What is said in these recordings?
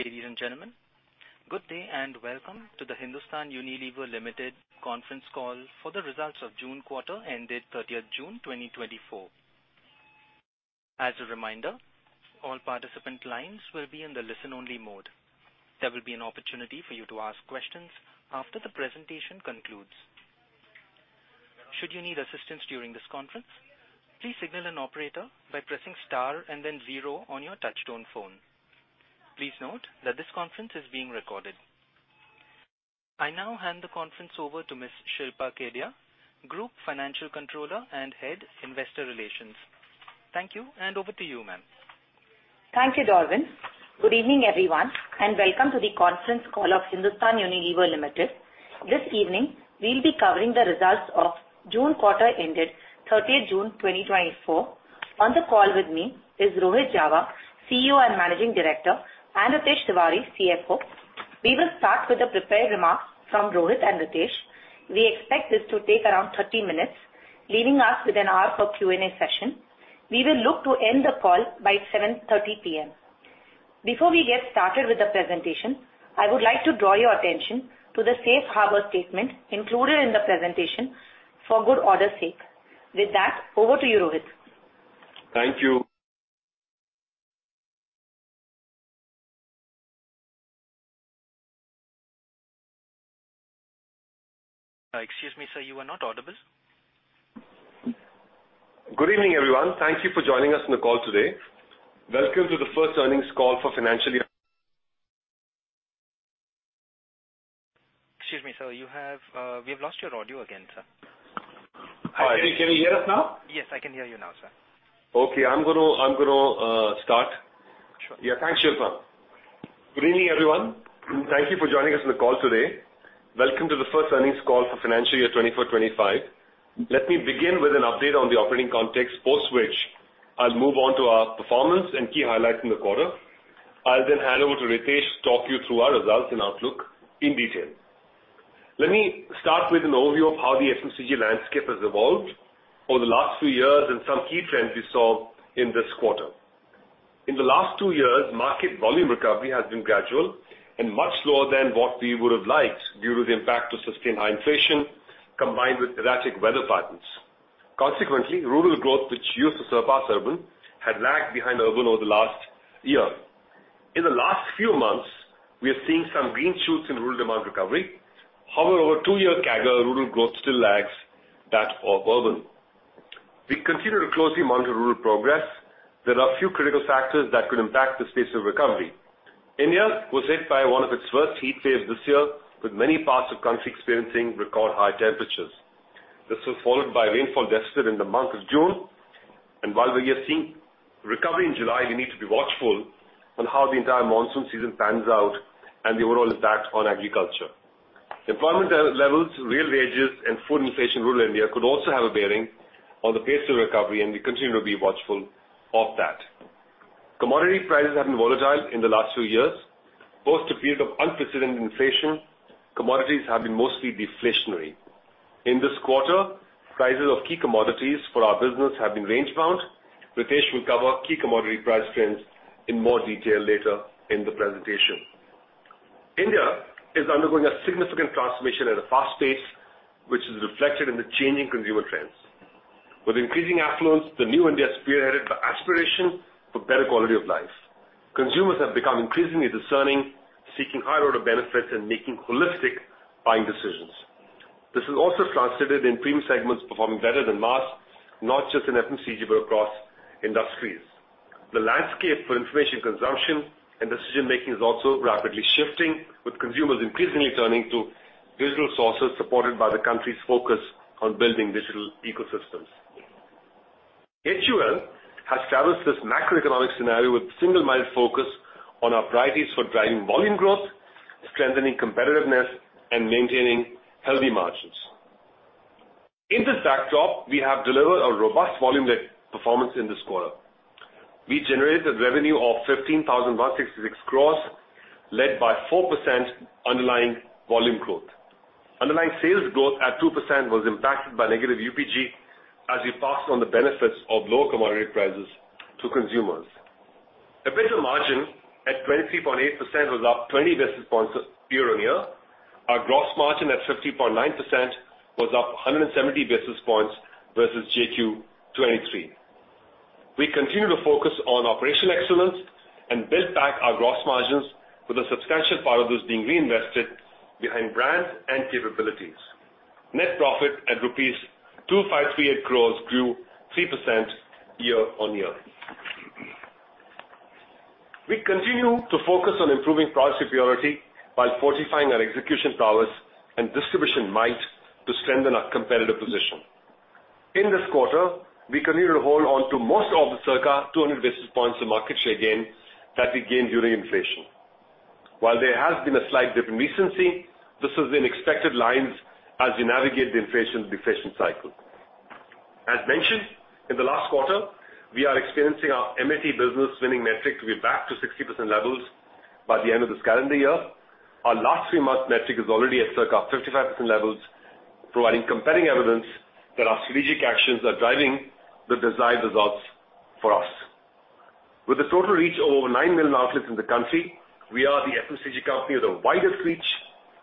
Ladies and gentlemen, good day, and welcome to the Hindustan Unilever Limited conference call for the results of June quarter, ended 30th June, 2024. As a reminder, all participant lines will be in the listen-only mode. There will be an opportunity for you to ask questions after the presentation concludes. Should you need assistance during this conference, please signal an operator by pressing star and then zero oN your touchtone phone. Please note that this conference is being recorded. I now hand the conference over to Ms. Shilpa Kedia, Group Financial Controller and Head, Investor Relations. Thank you, and over to you, ma'am. Thank you, Darwin. Good evening, everyone, and welcome to the conference call of Hindustan Unilever Limited. This evening, we'll be covering the results of June quarter ended 30th June, 2024. On the call with me is Rohit Jawa, CEO and Managing Director, and Ritesh Tiwari, CFO. We will start with the prepared remarks from Rohit and Ritesh. We expect this to take around 30 minutes, leaving us with an hour for Q&A session. We will look to end the call by 7:30 P.M. Before we get started with the presentation, I would like to draw your attention to the safe harbor statement included in the presentation for good order's sake. With that, over to you, Rohit. Thank you. Excuse me, sir, you are not audible. Good evening, everyone. Thank you for joining us on the call today. Welcome to the first earnings call for financial year- Excuse me, sir, you have... We've lost your audio again, sir. Can you hear us now? Yes, I can hear you now, sir. Okay, I'm gonna start. Sure. Yeah. Thanks, Shilpa. Good evening, everyone. Thank you for joining us on the call today. Welcome to the first earnings call for financial year 2024-25. Let me begin with an update on the operating context, post which I'll move on to our performance and key highlights in the quarter. I'll then hand over to Ritesh to talk you through our results and outlook in detail. Let me start with an overview of how the FMCG landscape has evolved over the last few years and some key trends we saw in this quarter. In the last two years, market volume recovery has been gradual and much slower than what we would have liked due to the impact of sustained high inflation, combined with erratic weather patterns. Consequently, rural growth, which used to surpass urban, had lagged behind urban over the last year. In the last few months, we are seeing some green shoots in rural demand recovery. However, over two-year CAGR, rural growth still lags that of urban. We continue to closely monitor rural progress. There are a few critical factors that could impact the pace of recovery. India was hit by one of its worst heatwaves this year, with many parts of the country experiencing record high temperatures. This was followed by rainfall deficit in the month of June, and while we are seeing recovery in July, we need to be watchful on how the entire monsoon season pans out and the overall impact on agriculture. Employment levels, real wages and food inflation in rural India could also have a bearing on the pace of recovery, and we continue to be watchful of that. Commodity prices have been volatile in the last few years. Post a period of unprecedented inflation, commodities have been mostly deflationary. In this quarter, prices of key commodities for our business have been range-bound. Ritesh will cover key commodity price trends in more detail later in the presentation. India is undergoing a significant transformation at a fast pace, which is reflected in the changing consumer trends. With increasing affluence, the new India is spearheaded by aspiration for better quality of life. Consumers have become increasingly discerning, seeking higher order benefits and making holistic buying decisions. This is also translated in premium segments performing better than mass, not just in FMCG, but across industries. The landscape for information consumption and decision-making is also rapidly shifting, with consumers increasingly turning to digital sources, supported by the country's focus on building digital ecosystems. HUL has traversed this macroeconomic scenario with a single-minded focus on our priorities for driving volume growth, strengthening competitiveness and maintaining healthy margins. In this backdrop, we have delivered a robust volume-led performance in this quarter. We generated a revenue of 15,166 crores, led by 4% underlying volume growth. Underlying sales growth at 2% was impacted by negative UPG as we passed on the benefits of lower commodity prices to consumers. Operating margin at 23.8% was up 20 basis points year-over-year. Our gross margin at 50.9% was up 170 basis points versus Q1 2023. We continue to focus on operational excellence and build back our gross margins, with a substantial part of this being reinvested behind brands and capabilities. Net profit at rupees 2,538 crores grew 3% year-over-year. We continue to focus on improving price superiority while fortifying our execution prowess and distribution might to strengthen our competitive position. In this quarter, we continued to hold on to most of the circa 200 basis points of market share gain that we gained during inflation. While there has been a slight dip in recency, this is in expected lines as we navigate the inflation deflation cycle. As mentioned in the last quarter, we are experiencing our MAT business winning metric to be back to 60% levels by the end of this calendar year. Our last three-month metric is already at circa 55% levels, providing compelling evidence that our strategic actions are driving the desired results for us. With a total reach of over 9 million outlets in the country, we are the FMCG company with the widest reach.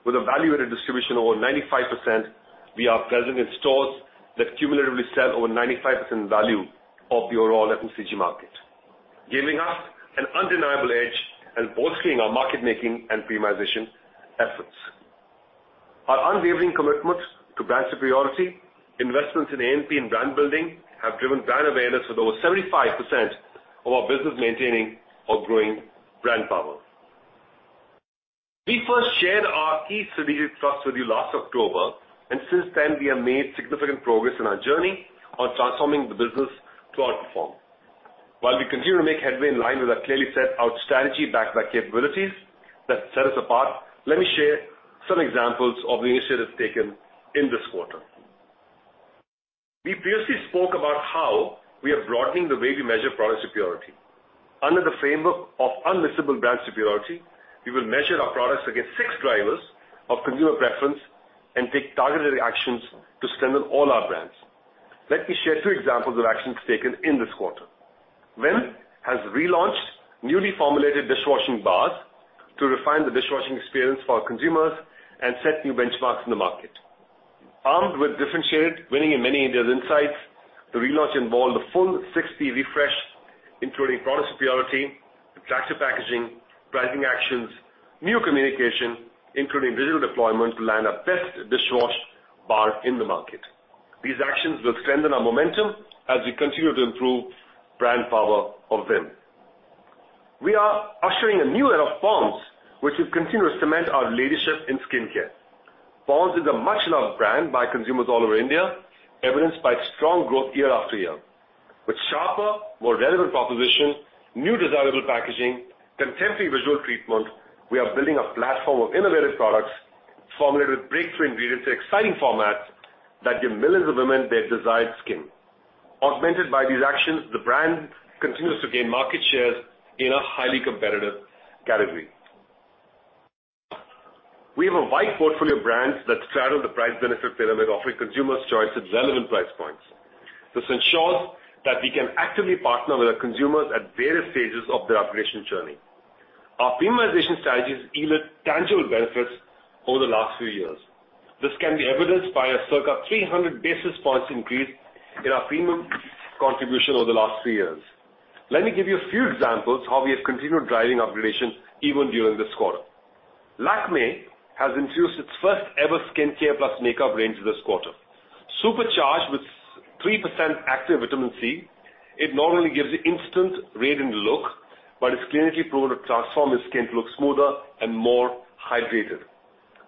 With a value-added distribution over 95%, we are present in stores that cumulatively sell over 95% value of the overall FMCG market, giving us an undeniable edge and bolstering our market making and premiumization efforts. Our unwavering commitment to brand superiority, investments in A&P and brand building have driven brand awareness with over 75% of our business maintaining or growing brand power. We first shared our key strategic thrust with you last October, and since then, we have made significant progress in our journey on transforming the business to outperform. While we continue to make headway in line with our clearly set out strategy, backed by capabilities that set us apart, let me share some examples of the initiatives taken in this quarter. We previously spoke about how we are broadening the way we measure product superiority. Under the framework of Unmissably Superior, we will measure our products against six drivers of consumer preference and take targeted actions to strengthen all our brands. Let me share two examples of actions taken in this quarter. Vim has relaunched newly formulated dishwashing bars to refine the dishwashing experience for our consumers and set new benchmarks in the market. Armed with differentiated, winning in-market India’s insights, the relaunch involved a full 360 refresh, including product superiority, attractive packaging, pricing actions, new communication, including visual deployment, to land our best dishwash bar in the market. These actions will strengthen our momentum as we continue to improve brand power of Vim. We are ushering a new era of Pond’s, which will continue to cement our leadership in skincare. Pond’s is a much-loved brand by consumers all over India, evidenced by strong growth year after year. With sharper, more relevant propositions, new desirable packaging, contemporary visual treatment, we are building a platform of innovative products formulated with breakthrough ingredients and exciting formats that give millions of women their desired skin. Augmented by these actions, the brand continues to gain market shares in a highly competitive category. We have a wide portfolio of brands that straddle the price-benefit pyramid, offering consumers choice at relevant price points. This ensures that we can actively partner with our consumers at various stages of their upgradation journey. Our premiumization strategies yielded tangible benefits over the last few years. This can be evidenced by a circa 300 basis points increase in our premium contribution over the last 3 years. Let me give you a few examples of how we have continued driving upgradation even during this quarter. Lakmé has introduced its first-ever skincare plus makeup range this quarter. Supercharged with 3% active vitamin C, it not only gives you instant radiant look, but it's clinically proven to transform your skin to look smoother and more hydrated.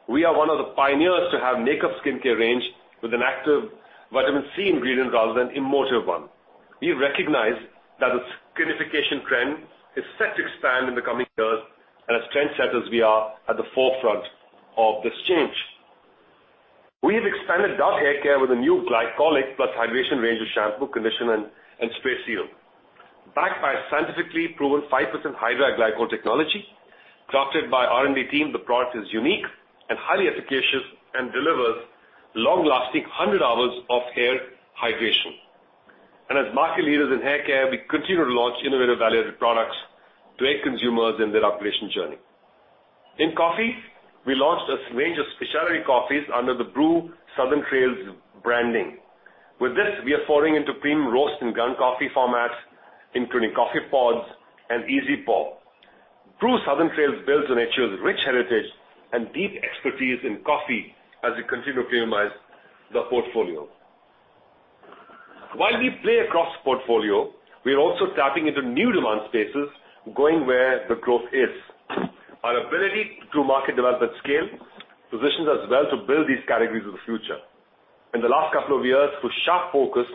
We are one of the pioneers to have makeup skincare range with an active vitamin C ingredient rather than emollient one. We recognize that the skinification trend is set to expand in the coming years, and as trend setters, we are at the forefront of this change. We have expanded Dove Hair Care with a new glycolic plus hydration range of shampoo, conditioner, and spray serum. Backed by a scientifically proven 5% hydra glycol technology, developed by R&D team, the product is unique and highly efficacious and delivers long-lasting, 100 hours of hair hydration. As market leaders in hair care, we continue to launch innovative, value-added products to aid consumers in their upgradation journey. In coffee, we launched a range of specialty coffees under the Bru Southern Trails branding. With this, we are foraying into premium roast and ground coffee formats, including coffee pods and easy pour. Bru Southern Trails builds on HUL's rich heritage and deep expertise in coffee as we continue to premiumize the portfolio. While we play across the portfolio, we are also tapping into new demand spaces, going where the growth is. Our ability to market, develop, and scale, positions us well to build these categories of the future. In the last couple of years, with sharp focus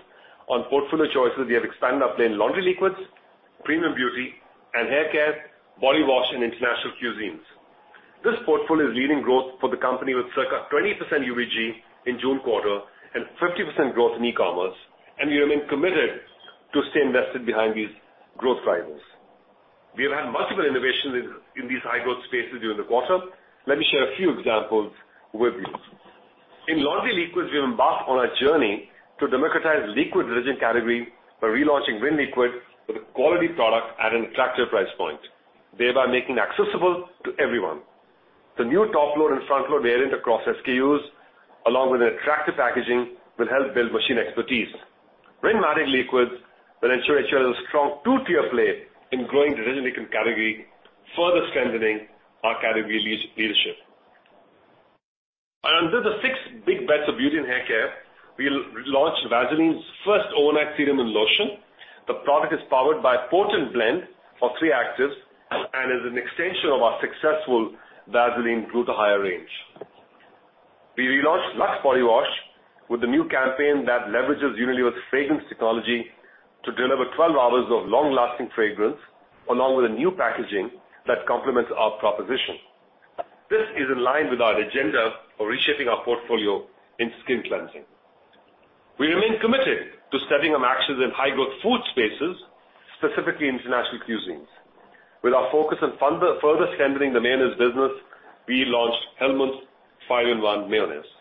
on portfolio choices, we have expanded our plain laundry liquids, premium beauty and hair care, body wash, and international cuisines. This portfolio is leading growth for the company with circa 20% UVG in June quarter and 50% growth in e-commerce, and we remain committed to stay invested behind these growth drivers. We have had multiple innovations in these high-growth spaces during the quarter. Let me share a few examples with you. In laundry liquids, we embarked on a journey to democratize liquid detergent category by relaunching Vim liquid with a quality product at an attractive price point, thereby making it accessible to everyone. The new top load and front load variant across SKUs, along with an attractive packaging, will help build machine expertise. Vim automatic liquids will ensure HUL has a strong two-tier play in growing the detergent liquid category, further strengthening our category leadership. And under the six big bets of beauty and hair care, we launched Vaseline's first overnight serum and lotion. The product is powered by a potent blend of three actives and is an extension of our successful Vaseline Gluta-Hya range. We relaunched Lux Body Wash with a new campaign that leverages Unilever's fragrance technology to deliver 12 hours of long-lasting fragrance, along with a new packaging that complements our proposition. This is in line with our agenda for reshaping our portfolio in skin cleansing.... We remain committed to setting up actions in high-growth food spaces, specifically international cuisines. With our focus on further strengthening the mayonnaise business, we launched Hellmann’s 5-in-1 mayonnaise.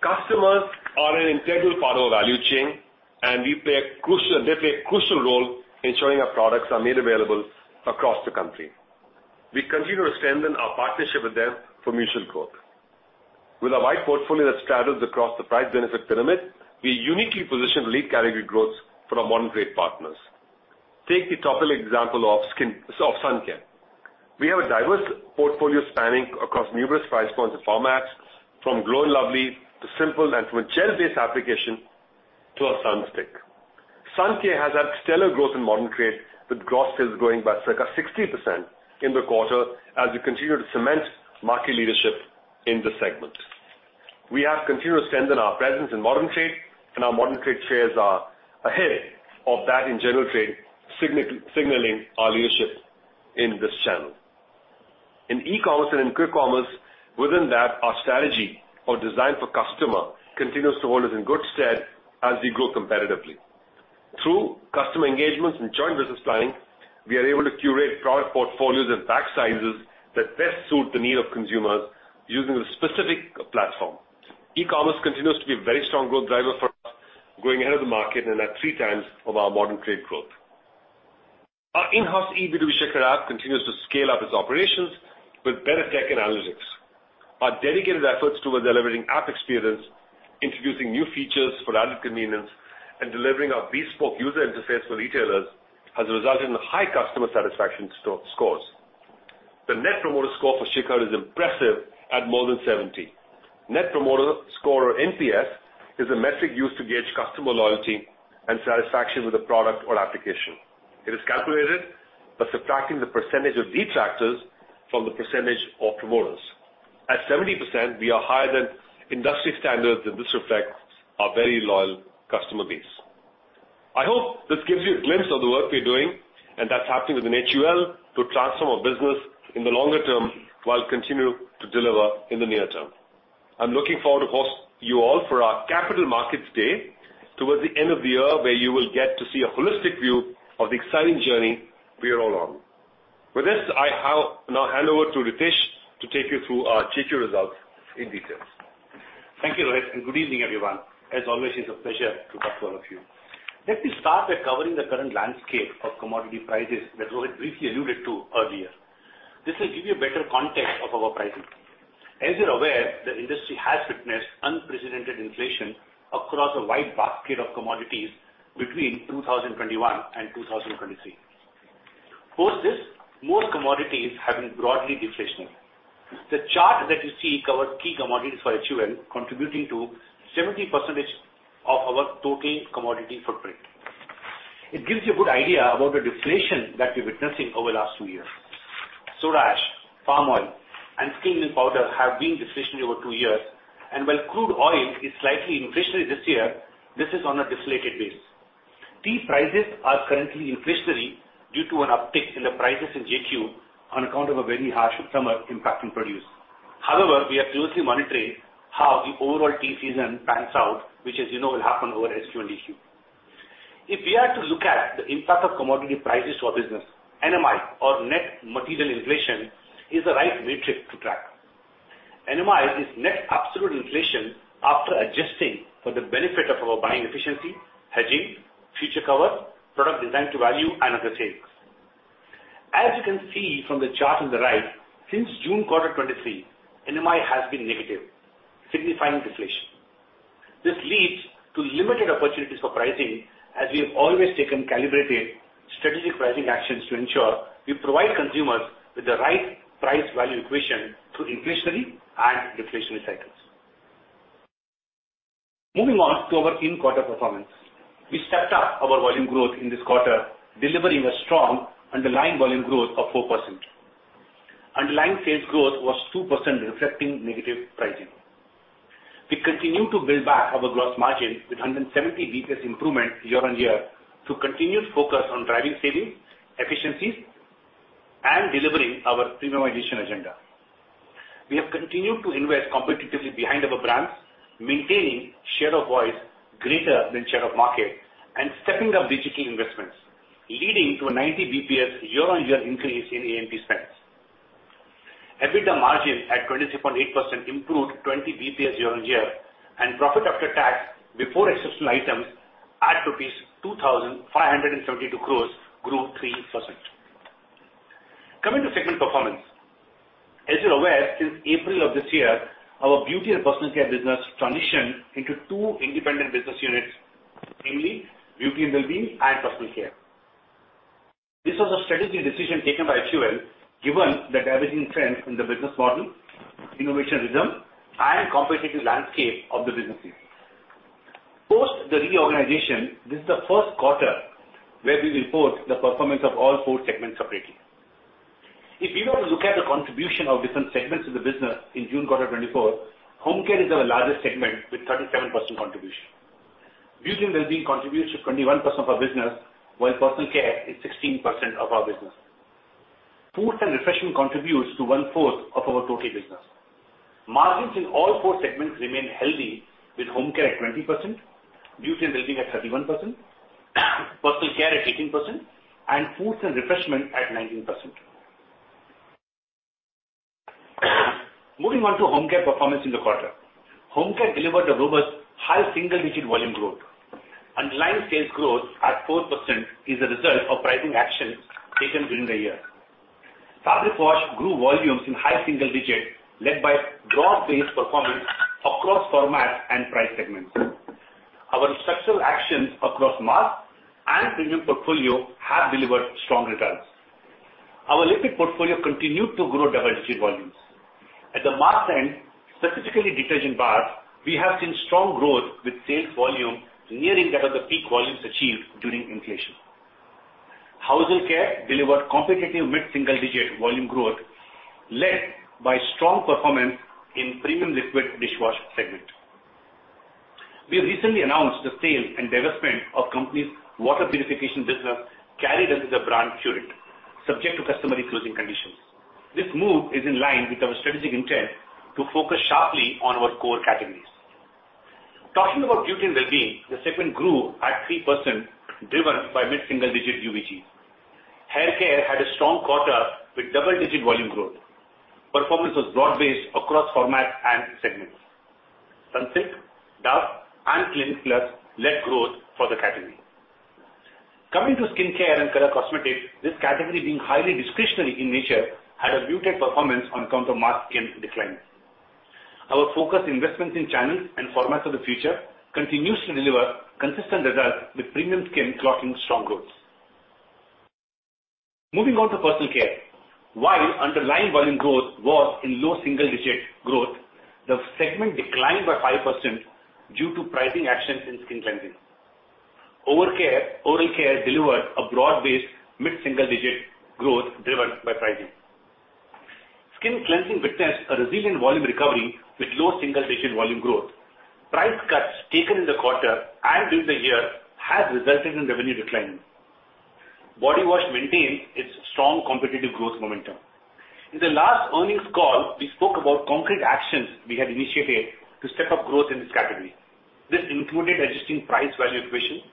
Customers are an integral part of our value chain, and they play a crucial role in ensuring our products are made available across the country. We continue to strengthen our partnership with them for mutual growth. With a wide portfolio that straddles across the price benefit pyramid, we uniquely position lead category growth for our modern trade partners. Take the topical example of skin, of sun care. We have a diverse portfolio spanning across numerous price points and formats, from Glow & Lovely to Simple, and from a gel-based application to a sun stick. Sun care has had stellar growth in modern trade, with growth sales growing by circa 60% in the quarter as we continue to cement market leadership in this segment. We have continued to strengthen our presence in modern trade, and our modern trade shares are ahead of that in general trade, signaling our leadership in this channel. In e-commerce and in quick commerce, within that, our strategy or design for customer continues to hold us in good stead as we grow competitively. Through customer engagements and joint business planning, we are able to curate product portfolios and pack sizes that best suit the need of consumers using a specific platform. E-commerce continues to be a very strong growth driver for us, growing ahead of the market and at three times of our modern trade growth. Our in-house e-B2B Shikhar app continues to scale up its operations with better tech and analytics. Our dedicated efforts towards delivering app experience, introducing new features for added convenience, and delivering our bespoke user interface for retailers, has resulted in high customer satisfaction scores. The net promoter score for Shikhar is impressive at more than 70. Net promoter score, or NPS, is a metric used to gauge customer loyalty and satisfaction with a product or application. It is calculated by subtracting the percentage of detractors from the percentage of promoters. At 70%, we are higher than industry standards, and this reflects our very loyal customer base. I hope this gives you a glimpse of the work we're doing and that's happening within HUL to transform our business in the longer term, while continuing to deliver in the near term. I'm looking forward to host you all for our Capital Markets Day towards the end of the year, where you will get to see a holistic view of the exciting journey we are all on. With this, now hand over to Ritesh to take you through our Q2 results in details. Thank you, Rohit, and good evening, everyone. As always, it's a pleasure to talk to all of you. Let me start by covering the current landscape of commodity prices that Rohit briefly alluded to earlier. This will give you a better context of our pricing. As you're aware, the industry has witnessed unprecedented inflation across a wide basket of commodities between 2021 and 2023. Post this, most commodities have been broadly deflationary. The chart that you see covers key commodities for HUL, contributing to 70% of our total commodity footprint. It gives you a good idea about the deflation that we're witnessing over the last two years. Soda ash, palm oil, and cleaning powder have been deflationary over two years, and while crude oil is slightly inflationary this year, this is on a deflated base. Tea prices are currently inflationary due to an uptick in the prices in Q2 on account of a very harsh summer impacting produce. However, we are closely monitoring how the overall tea season pans out, which, as you know, will happen over Q1 and Q2. If we are to look at the impact of commodity prices for business, NMI or net material inflation, is the right metric to track. NMI is net absolute inflation after adjusting for the benefit of our buying efficiency, hedging, future cover, product designed to value, and other savings. As you can see from the chart on the right, since June quarter 2023, NMI has been negative, signifying deflation. This leads to limited opportunities for pricing, as we have always taken calibrated strategic pricing actions to ensure we provide consumers with the right price-value equation through inflationary and deflationary cycles. Moving on to our in-quarter performance. We stepped up our volume growth in this quarter, delivering a strong underlying volume growth of 4%. Underlying sales growth was 2%, reflecting negative pricing. We continue to build back our gross margin with 170 basis points improvement year-on-year through continued focus on driving savings, efficiencies, and delivering our premiumization agenda. We have continued to invest competitively behind our brands, maintaining share of voice greater than share of market and stepping up digitally investments, leading to a 90 basis points year-on-year increase in A&P spends. EBITDA margin at 23.8% improved 20 basis points year-on-year, and profit after tax, before exceptional items, at INR 2,572 crore, grew 3%. Coming to segment performance. As you're aware, since April of this year, our beauty and personal care business transitioned into two independent business units, namely Beauty & Wellbeing and Personal Care. This was a strategic decision taken by HUL, given the diverging trends in the business model, innovation rhythm, and competitive landscape of the businesses. Post the reorganization, this is the first quarter where we report the performance of all four segments separately. If you were to look at the contribution of different segments of the business in June quarter 2024, Home Care is our largest segment, with 37% contribution. Beauty and well-being contributes to 21% of our business, while personal care is 16% of our business. Foods and refreshment contributes to one-fourth of our total business. Margins in all four segments remain healthy, with home care at 20%, beauty and well-being at 31%, personal care at 18%, and foods and refreshment at 19%. Moving on to home care performance in the quarter. Home care delivered a robust, high single-digit volume growth. Underlying sales growth at 4% is a result of pricing actions taken during the year. Fabric wash grew volumes in high single digits, led by broad-based performance across formats and price segments. Our structural actions across mass and premium portfolio have delivered strong returns. Our liquid portfolio continued to grow double-digit volumes. At the mass end, specifically detergent bars, we have seen strong growth, with sales volume nearing that of the peak volumes achieved during inflation. Household care delivered competitive mid-single digit volume growth, led by strong performance in premium liquid dishwasher segment. We have recently announced the sale and development of the company's water purification business, carried as a brand Pureit, subject to customary closing conditions. This move is in line with our strategic intent to focus sharply on our core categories. Talking about beauty and well-being, the segment grew at 3%, driven by mid-single digit UVG. Hair care had a strong quarter with double-digit volume growth. Performance was broad-based across formats and segments. Sunsilk, Dove and Clinic Plus led growth for the category. Coming to skincare and color cosmetics, this category, being highly discretionary in nature, had a muted performance on account of mass skin decline. Our focused investments in channels and formats of the future continues to deliver consistent results, with premium skin clocking strong growth. Moving on to personal care. While underlying volume growth was in low-single-digit growth, the segment declined by 5% due to pricing actions in skin cleansing. Oral care delivered a broad-based mid-single-digit growth driven by pricing. Skin cleansing witnessed a resilient volume recovery with low-single-digit volume growth. Price cuts taken in the quarter and during the year have resulted in revenue decline. Body wash maintained its strong competitive growth momentum. In the last earnings call, we spoke about concrete actions we had initiated to step up growth in this category. This included adjusting price-value equation,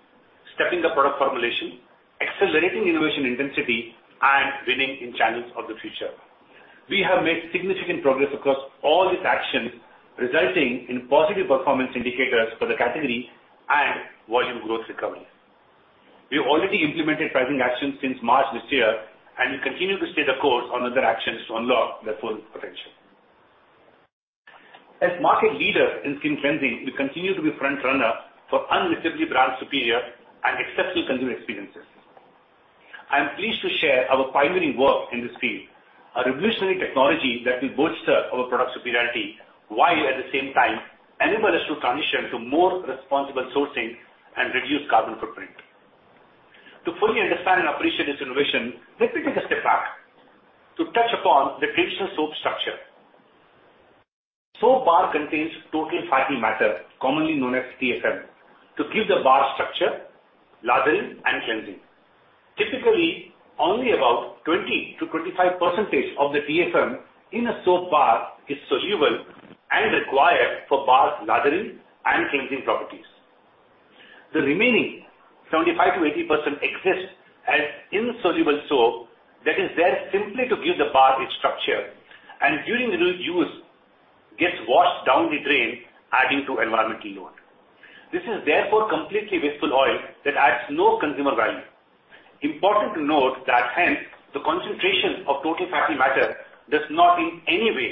stepping up product formulation, accelerating innovation intensity, and winning in channels of the future. We have made significant progress across all these actions, resulting in positive performance indicators for the category and volume growth recovery. We've already implemented pricing actions since March this year, and we continue to stay the course on other actions to unlock their full potential. As market leader in skin cleansing, we continue to be frontrunner for unmissably superior and exceptional consumer experiences. I am pleased to share our pioneering work in this field, a revolutionary technology that will bolster our product superiority, while at the same time enable us to transition to more responsible sourcing and reduce carbon footprint. To fully understand and appreciate this innovation, let me take a step back to touch upon the traditional soap structure. Soap bar contains total fatty matter, commonly known as TFM, to give the bar structure, lathering, and cleansing. Typically, only about 20%-25% of the TFM in a soap bar is soluble and required for bar's lathering and cleansing properties. The remaining 75%-80% exists as insoluble soap that is there simply to give the bar its structure, and during the use, gets washed down the drain, adding to environmental load. This is therefore completely wasteful oil that adds no consumer value. Important to note that hence, the concentration of total fatty matter does not in any way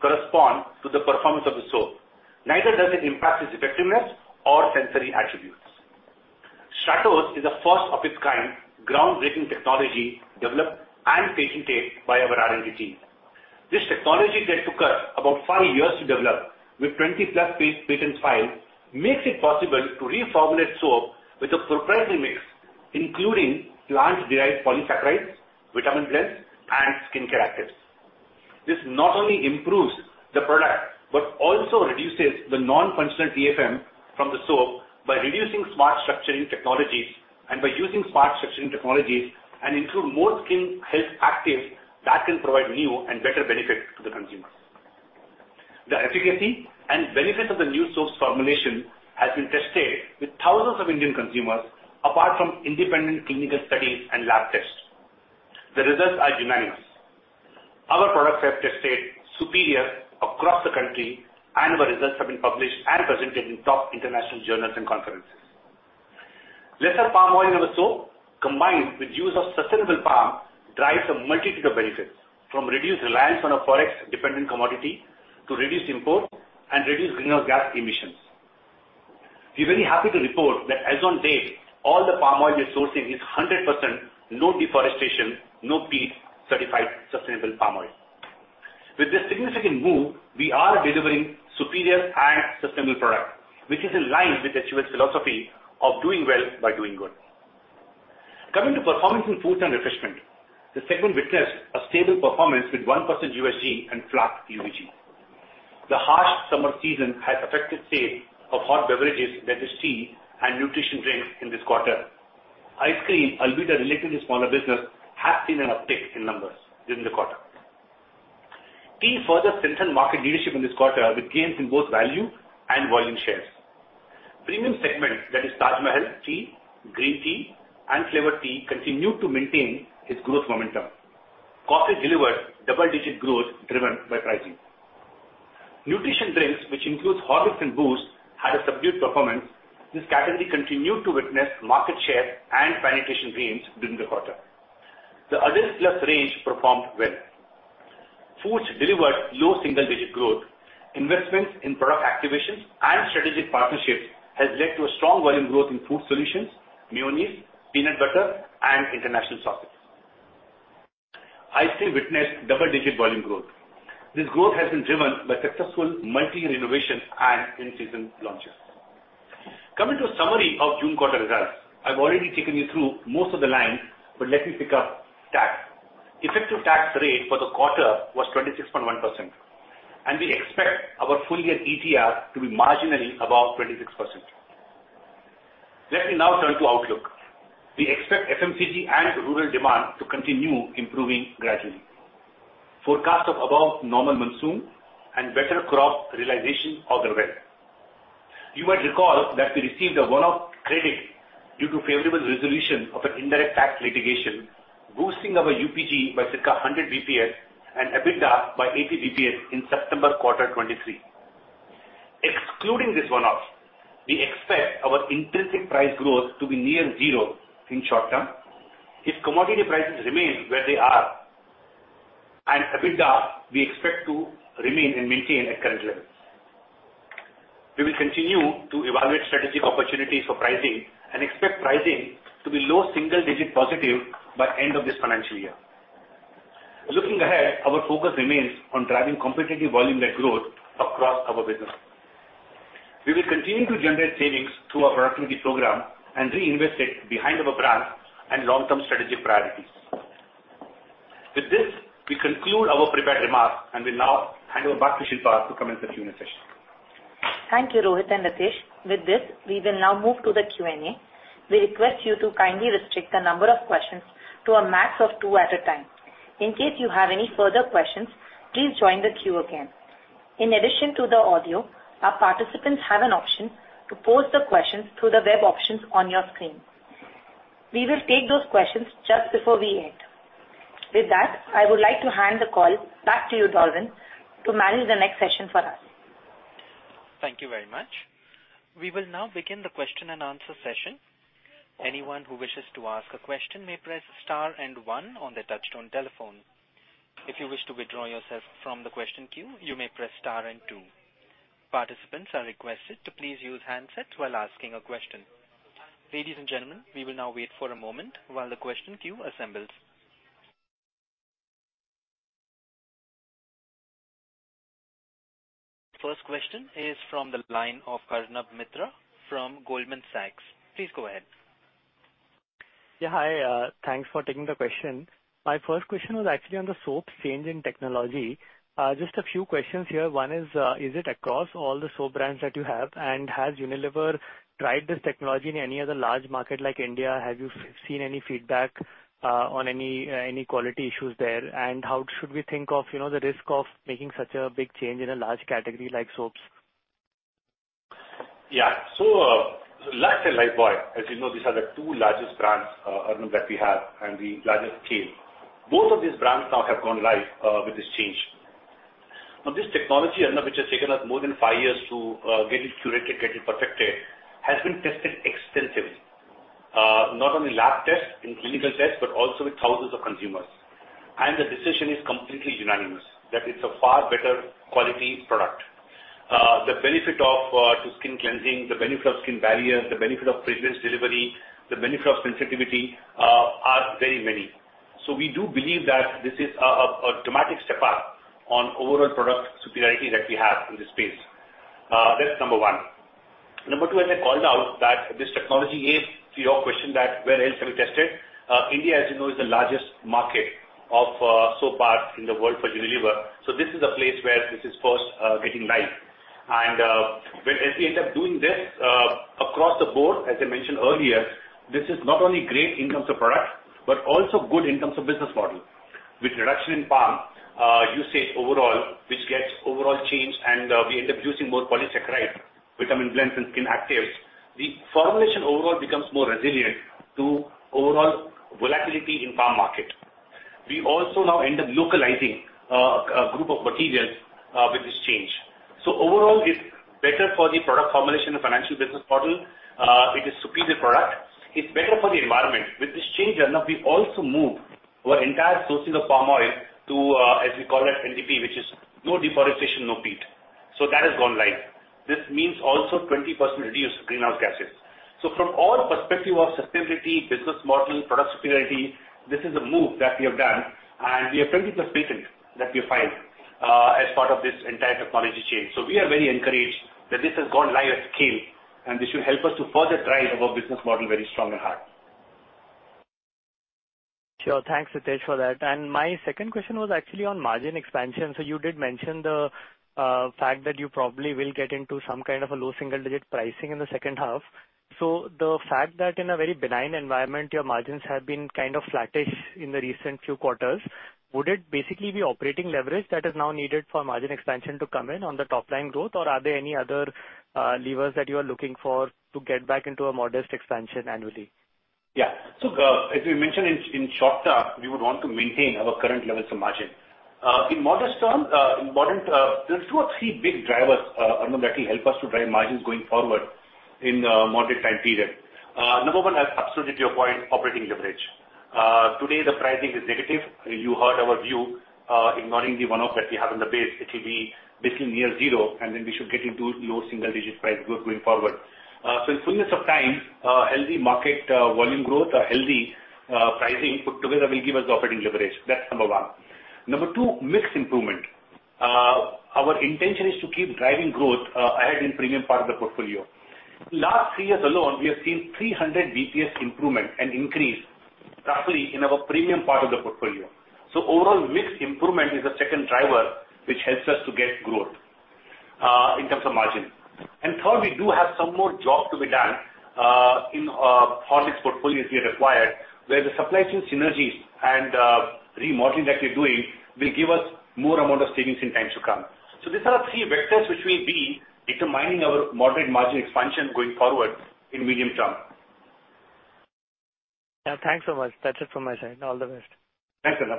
correspond to the performance of the soap. Neither does it impact its effectiveness or sensory attributes. Stratos is a first of its kind, groundbreaking technology developed and patented by our R&D team. This technology, that took us about 5 years to develop with 20+ patents filed, makes it possible to reformulate soap with a proprietary mix, including plant-derived polysaccharides, vitamin blends, and skincare actives. This not only improves the product, but also reduces the non-functional TFM from the soap by reducing smart structuring technologies and by using smart structuring technologies, and include more skin health actives that can provide new and better benefits to the consumers. The efficacy and benefit of the new soap formulation has been tested with thousands of Indian consumers, apart from independent clinical studies and lab tests. The results are unanimous. Our products have tested superior across the country, and the results have been published and presented in top international journals and conferences. Lesser palm oil in the soap, combined with use of sustainable palm, drives a multitude of benefits, from reduced reliance on a forex-dependent commodity to reduced import and reduced greenhouse gas emissions. We're very happy to report that as on date, all the palm oil we're sourcing is 100% no deforestation, no peat, certified sustainable palm oil. With this significant move, we are delivering superior and sustainable product, which is in line with the HUL philosophy of doing well by doing good. Coming to performance in foods and refreshment, the segment witnessed a stable performance with 1% USG and flat UPG. The harsh summer season has affected sale of hot beverages, that is tea and Nutrition Drinks in this quarter. Ice Cream, albeit a relatively smaller business, has seen an uptick in numbers during the quarter. Tea further strengthened market leadership in this quarter, with gains in both value and volume shares. Premium segments, that is Taj Mahal tea, Green tea and Flavored tea, continued to maintain its growth momentum. Coffee delivered double-digit growth driven by pricing. Nutrition drinks, which includes Horlicks and Boost, had a subdued performance. This category continued to witness market share and penetration gains during the quarter. The Adult Plus range performed well. Foods delivered low single-digit growth. Investments in product activations and strategic partnerships has led to a strong volume growth in food solutions, mayonnaise, peanut butter and international sauces. Ice cream witnessed double-digit volume growth. This growth has been driven by successful multi-year innovation and in-season launches. Coming to a summary of June quarter results, I've already taken you through most of the lines, but let me pick up tax. Effective tax rate for the quarter was 26.1%, and we expect our full-year ETR to be marginally above 26%. Let me now turn to outlook. We expect FMCG and rural demand to continue improving gradually. Forecast of above normal monsoon and better crop realization are there well. You might recall that we received a one-off credit due to favorable resolution of an indirect tax litigation, boosting our UPG by circa 100 BPS and EBITDA by 80 BPS in September quarter 2023. Excluding this one-off, we expect our intrinsic price growth to be near zero in short term. If commodity prices remain where they are, and EBITDA, we expect to remain and maintain at current levels. We will continue to evaluate strategic opportunities for pricing and expect pricing to be low single-digit positive by end of this financial year. Looking ahead, our focus remains on driving competitive volume net growth across our business. We will continue to generate savings through our productivity program and reinvest it behind our brands and long-term strategic priorities. With this, we conclude our prepared remarks, and we now hand over back to Shilpa to commence the Q&A session. Thank you, Rohit and Ritesh. With this, we will now move to the Q&A. We request you to kindly restrict the number of questions to a max of two at a time. In case you have any further questions, please join the queue again. In addition to the audio, our participants have an option to pose the questions through the web options on your screen. We will take those questions just before we end. With that, I would like to hand the call back to you, Darwin, to manage the next session for us. Thank you very much. We will now begin the question and answer session. Anyone who wishes to ask a question may press star and one on their touchtone telephone. If you wish to withdraw yourself from the question queue, you may press star and two. Participants are requested to please use handsets while asking a question. Ladies and gentlemen, we will now wait for a moment while the question queue assembles. First question is from the line of Arnab Mitra from Goldman Sachs. Please go ahead. Yeah, hi. Thanks for taking the question. My first question was actually on the soap change in technology. Just a few questions here. One is, is it across all the soap brands that you have? And has Unilever tried this technology in any other large market like India? Have you seen any feedback on any quality issues there? And how should we think of, you know, the risk of making such a big change in a large category like soaps? Yeah. So, so Lux and Lifebuoy, as you know, these are the two largest brands, Arnab, that we have and the largest scale. Both of these brands now have gone live with this change. Now, this technology, Arnab, which has taken us more than 5 years to get it curated, get it perfected, has been tested extensively, not only lab tests and clinical tests, but also with thousands of consumers. And the decision is completely unanimous, that it's a far better quality product. The benefit of to skin cleansing, the benefit of skin barrier, the benefit of fragrance delivery, the benefit of sensitivity are very many. So we do believe that this is a dramatic step up on overall product superiority that we have in this space. That's number one. Number two, as I called out, that this technology is, to your question, that where else have we tested? India, as you know, is the largest market of soap bars in the world for Unilever. So this is a place where this is first getting live. And when as we end up doing this across the board, as I mentioned earlier, this is not only great in terms of product, but also good in terms of business model. With reduction in palm usage overall, which gets overall changed, and we end up using more polysaccharide, vitamin blends, and skin actives, the formulation overall becomes more resilient to overall volatility in palm market. We also now end up localizing a group of materials with this change. So overall, it's better for the product formulation and financial business model. It is superior product. It's better for the environment. With this change, Arnab, we've also moved our entire sourcing of palm oil to, as we call it, NDP, which is no deforestation, no peat. So that has gone live. This means also 20% reduced greenhouse gases. So from all perspective of sustainability, business model, product superiority, this is a move that we have done, and we have 20+ patents that we have filed as part of this entire technology change. So we are very encouraged that this has gone live at scale, and this should help us to further drive our business model very strong and high. Sure. Thanks, Hitesh, for that. And my second question was actually on margin expansion. So you did mention the fact that you probably will get into some kind of a low single-digit pricing in the second half. So the fact that in a very benign environment, your margins have been kind of flattish in the recent few quarters, would it basically be operating leverage that is now needed for margin expansion to come in on the top line growth? Or are there any other levers that you are looking for to get back into a modest expansion annually? Yeah. So, as we mentioned in short term, we would want to maintain our current levels of margin. In medium term, there are two or three big drivers, Arnab that will help us to drive margins going forward in medium-term period. Number one, as absolutely to your point, operating leverage. Today, the pricing is negative, and you heard our view, ignoring the one-off that we have in the base, it will be basically near zero, and then we should get into low single digit price growth going forward. So in fullness of time, healthy market, volume growth or healthy, pricing put together will give us operating leverage. That's number one. Number two, mix improvement. Our intention is to keep driving growth, ahead in premium part of the portfolio. Last three years alone, we have seen 300 basis points improvement and increase roughly in our premium part of the portfolio. So overall, mix improvement is the second driver, which helps us to get growth in terms of margin. And third, we do have some more job to be done in HUL's portfolios we acquired, where the supply chain synergies and remodeling that we're doing will give us more amount of savings in times to come. So these are three vectors which will be determining our moderate margin expansion going forward in medium term. Yeah, thanks so much. That's it from my side. All the best. Thanks, Arun.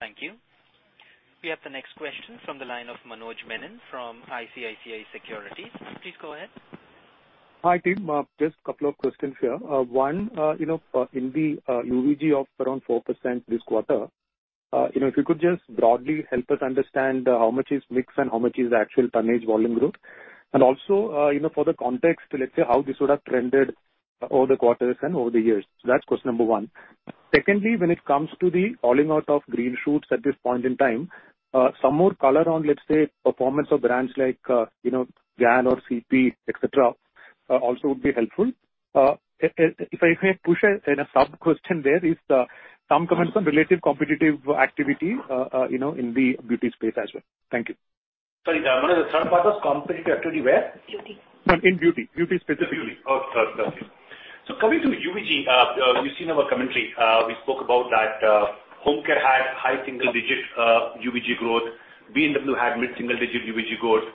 Thank you. We have the next question from the line of Manoj Menon from ICICI Securities. Please go ahead. Hi, team. Just a couple of questions here. One, you know, in the UVG of around 4% this quarter, you know, if you could just broadly help us understand, how much is mix and how much is the actual tonnage volume growth? And also, you know, for the context, let's say, how this would have trended over the quarters and over the years. So that's question number one. Secondly, when it comes to highlighting the green shoots at this point in time, some more color on, let's say, performance of brands like, you know, Glow & Lovely or Clinic Plus, et cetera, also would be helpful. If I push in a sub-question there, some comments on relative competitive activity, you know, in the beauty space as well. Thank you. Sorry, Manoj, the third part was competitive activity where? Beauty. No, in beauty. Beauty, specifically. In beauty. Oh, got you. So coming to UVG, you've seen our commentary. We spoke about that. Home Care had high single-digit UVG growth. B&W had mid-single-digit UVG growth.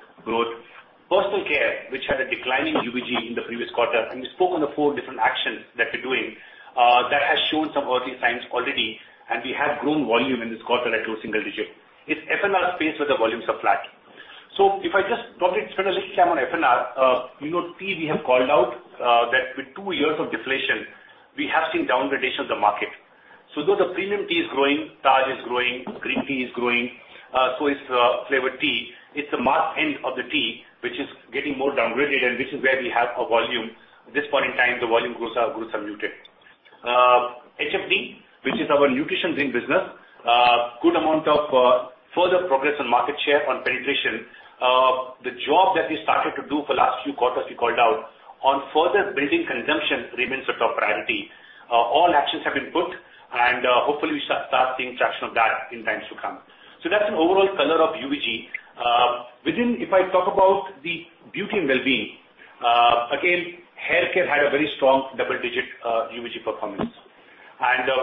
Personal care, which had a declining UVG in the previous quarter, and we spoke on the four different actions that we're doing, that has shown some early signs already, and we have grown volume in this quarter at low single-digit. It's F&R space where the volumes are flat. So if I just probably turn a little cam on F&R, you know, tea, we have called out that with two years of deflation, we have seen downgrading of the market. So though the premium tea is growing, Taj is growing, green tea is growing, so is flavored tea. It's the mass end of the tea, which is getting more downgraded and which is where we have a volume. At this point in time, the volume growth is muted. HFD, which is our nutrition drink business, good amount of further progress on market share on penetration. The job that we started to do for last few quarters, we called out on further building consumption remains a top priority. All actions have been put, and hopefully we start seeing traction of that in times to come. So that's an overall color of UVG. If I talk about the beauty and wellbeing, again, hair care had a very strong double-digit UVG performance.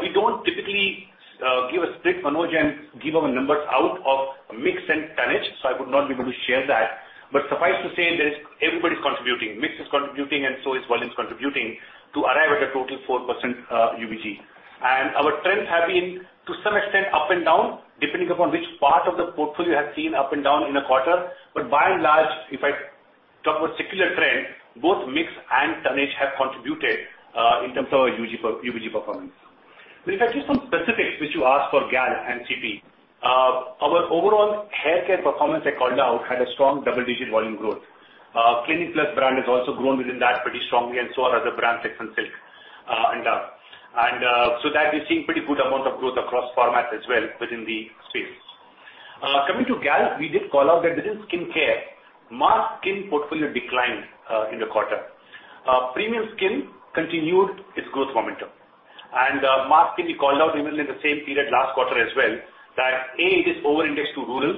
We don't typically give a strict, Manoj, and give our numbers out of mix and tonnage, so I would not be able to share that. But suffice to say, there's everybody's contributing. Mix is contributing, and so is volumes contributing, to arrive at a total 4% UVG. And our trends have been, to some extent, up and down, depending upon which part of the portfolio you have seen up and down in a quarter. But by and large, if I talk about secular trend, both mix and tonnage have contributed in terms of our UVG, UVG performance. But if I give some specifics, which you asked for G&L and CP, our overall hair care performance, I called out, had a strong double-digit volume growth. Clinic Plus brand has also grown within that pretty strongly, and so are other brands like Sunsilk, so that we're seeing pretty good amount of growth across formats as well within the space. Coming to skin, we did call out that within skincare, mass skin portfolio declined in the quarter. Premium skin continued its growth momentum. Mass skin, we called out even in the same period last quarter as well, that A, it is overindexed to rural,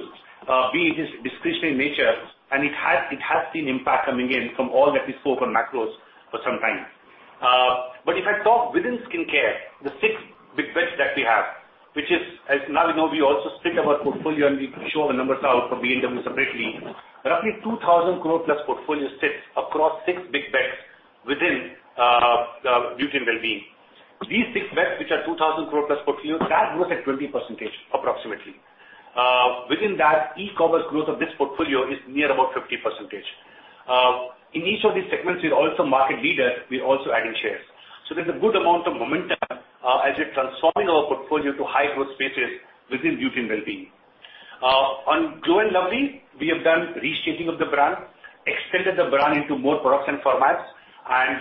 B, it is discretionary in nature, and it has seen impact coming in from all that we spoke on macros for some time. But if I talk within skincare, the six big bets that we have, which is, as now you know, we also split our portfolio, and we show the numbers out from B&W separately. Roughly 2,000 crore+ portfolio sits across six big bets within beauty and wellbeing. These six bets, which are 2,000 crore+ portfolio, that grows at 20%, approximately. Within that, e-commerce growth of this portfolio is near about 50%. In each of these segments, we're also market leader, we're also adding shares. So there's a good amount of momentum as we're transforming our portfolio to high-growth spaces within beauty and wellbeing. On Glow & Lovely, we have done restaging of the brand, extended the brand into more products and formats. And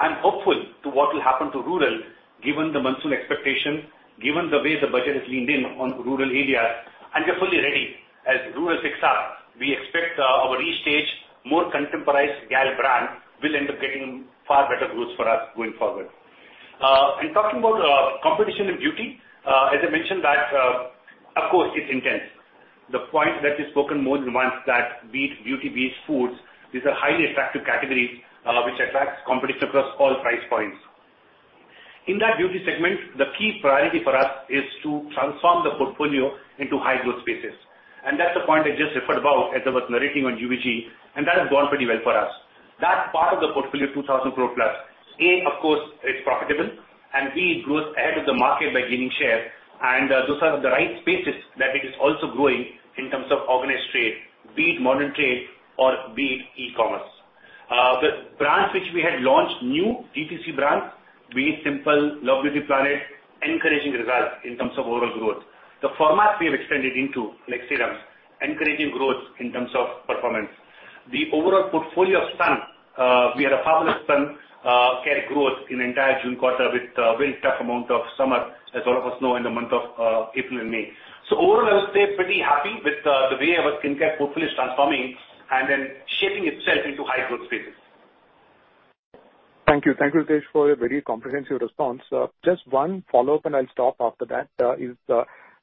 I'm hopeful to what will happen to rural, given the monsoon expectation, given the way the budget is leaned in on rural areas, and we're fully ready. As rural picks up, we expect our restaged, more contemporized G&L brand will end up getting far better growth for us going forward. In talking about competition in beauty, as I mentioned that, of course, it's intense. The point that is spoken more than once, that be it beauty, be it foods, these are highly attractive categories, which attracts competition across all price points. In that beauty segment, the key priority for us is to transform the portfolio into high growth spaces, and that's the point I just referred about as I was narrating on UVG, and that has gone pretty well for us. That part of the portfolio, 2,000 crore plus, A, of course, is profitable, and B, it grows ahead of the market by gaining share, and, those are the right spaces that it is also growing in terms of organized trade, be it modern trade or be it e-commerce. The brands which we had launched, new DTC brands, be it Simple, Love Beauty & Planet, encouraging results in terms of overall growth. The formats we have extended into, like serums, encouraging growth in terms of performance. The overall portfolio of sun, we had a fabulous sun care growth in the entire June quarter with, very tough amount of summer, as all of us know, in the month of April and May. So overall, I would say pretty happy with, the way our skincare portfolio is transforming and then shaping itself into high growth spaces. Thank you. Thank you, Ritesh, for your very comprehensive response. Just one follow-up, and I'll stop after that, is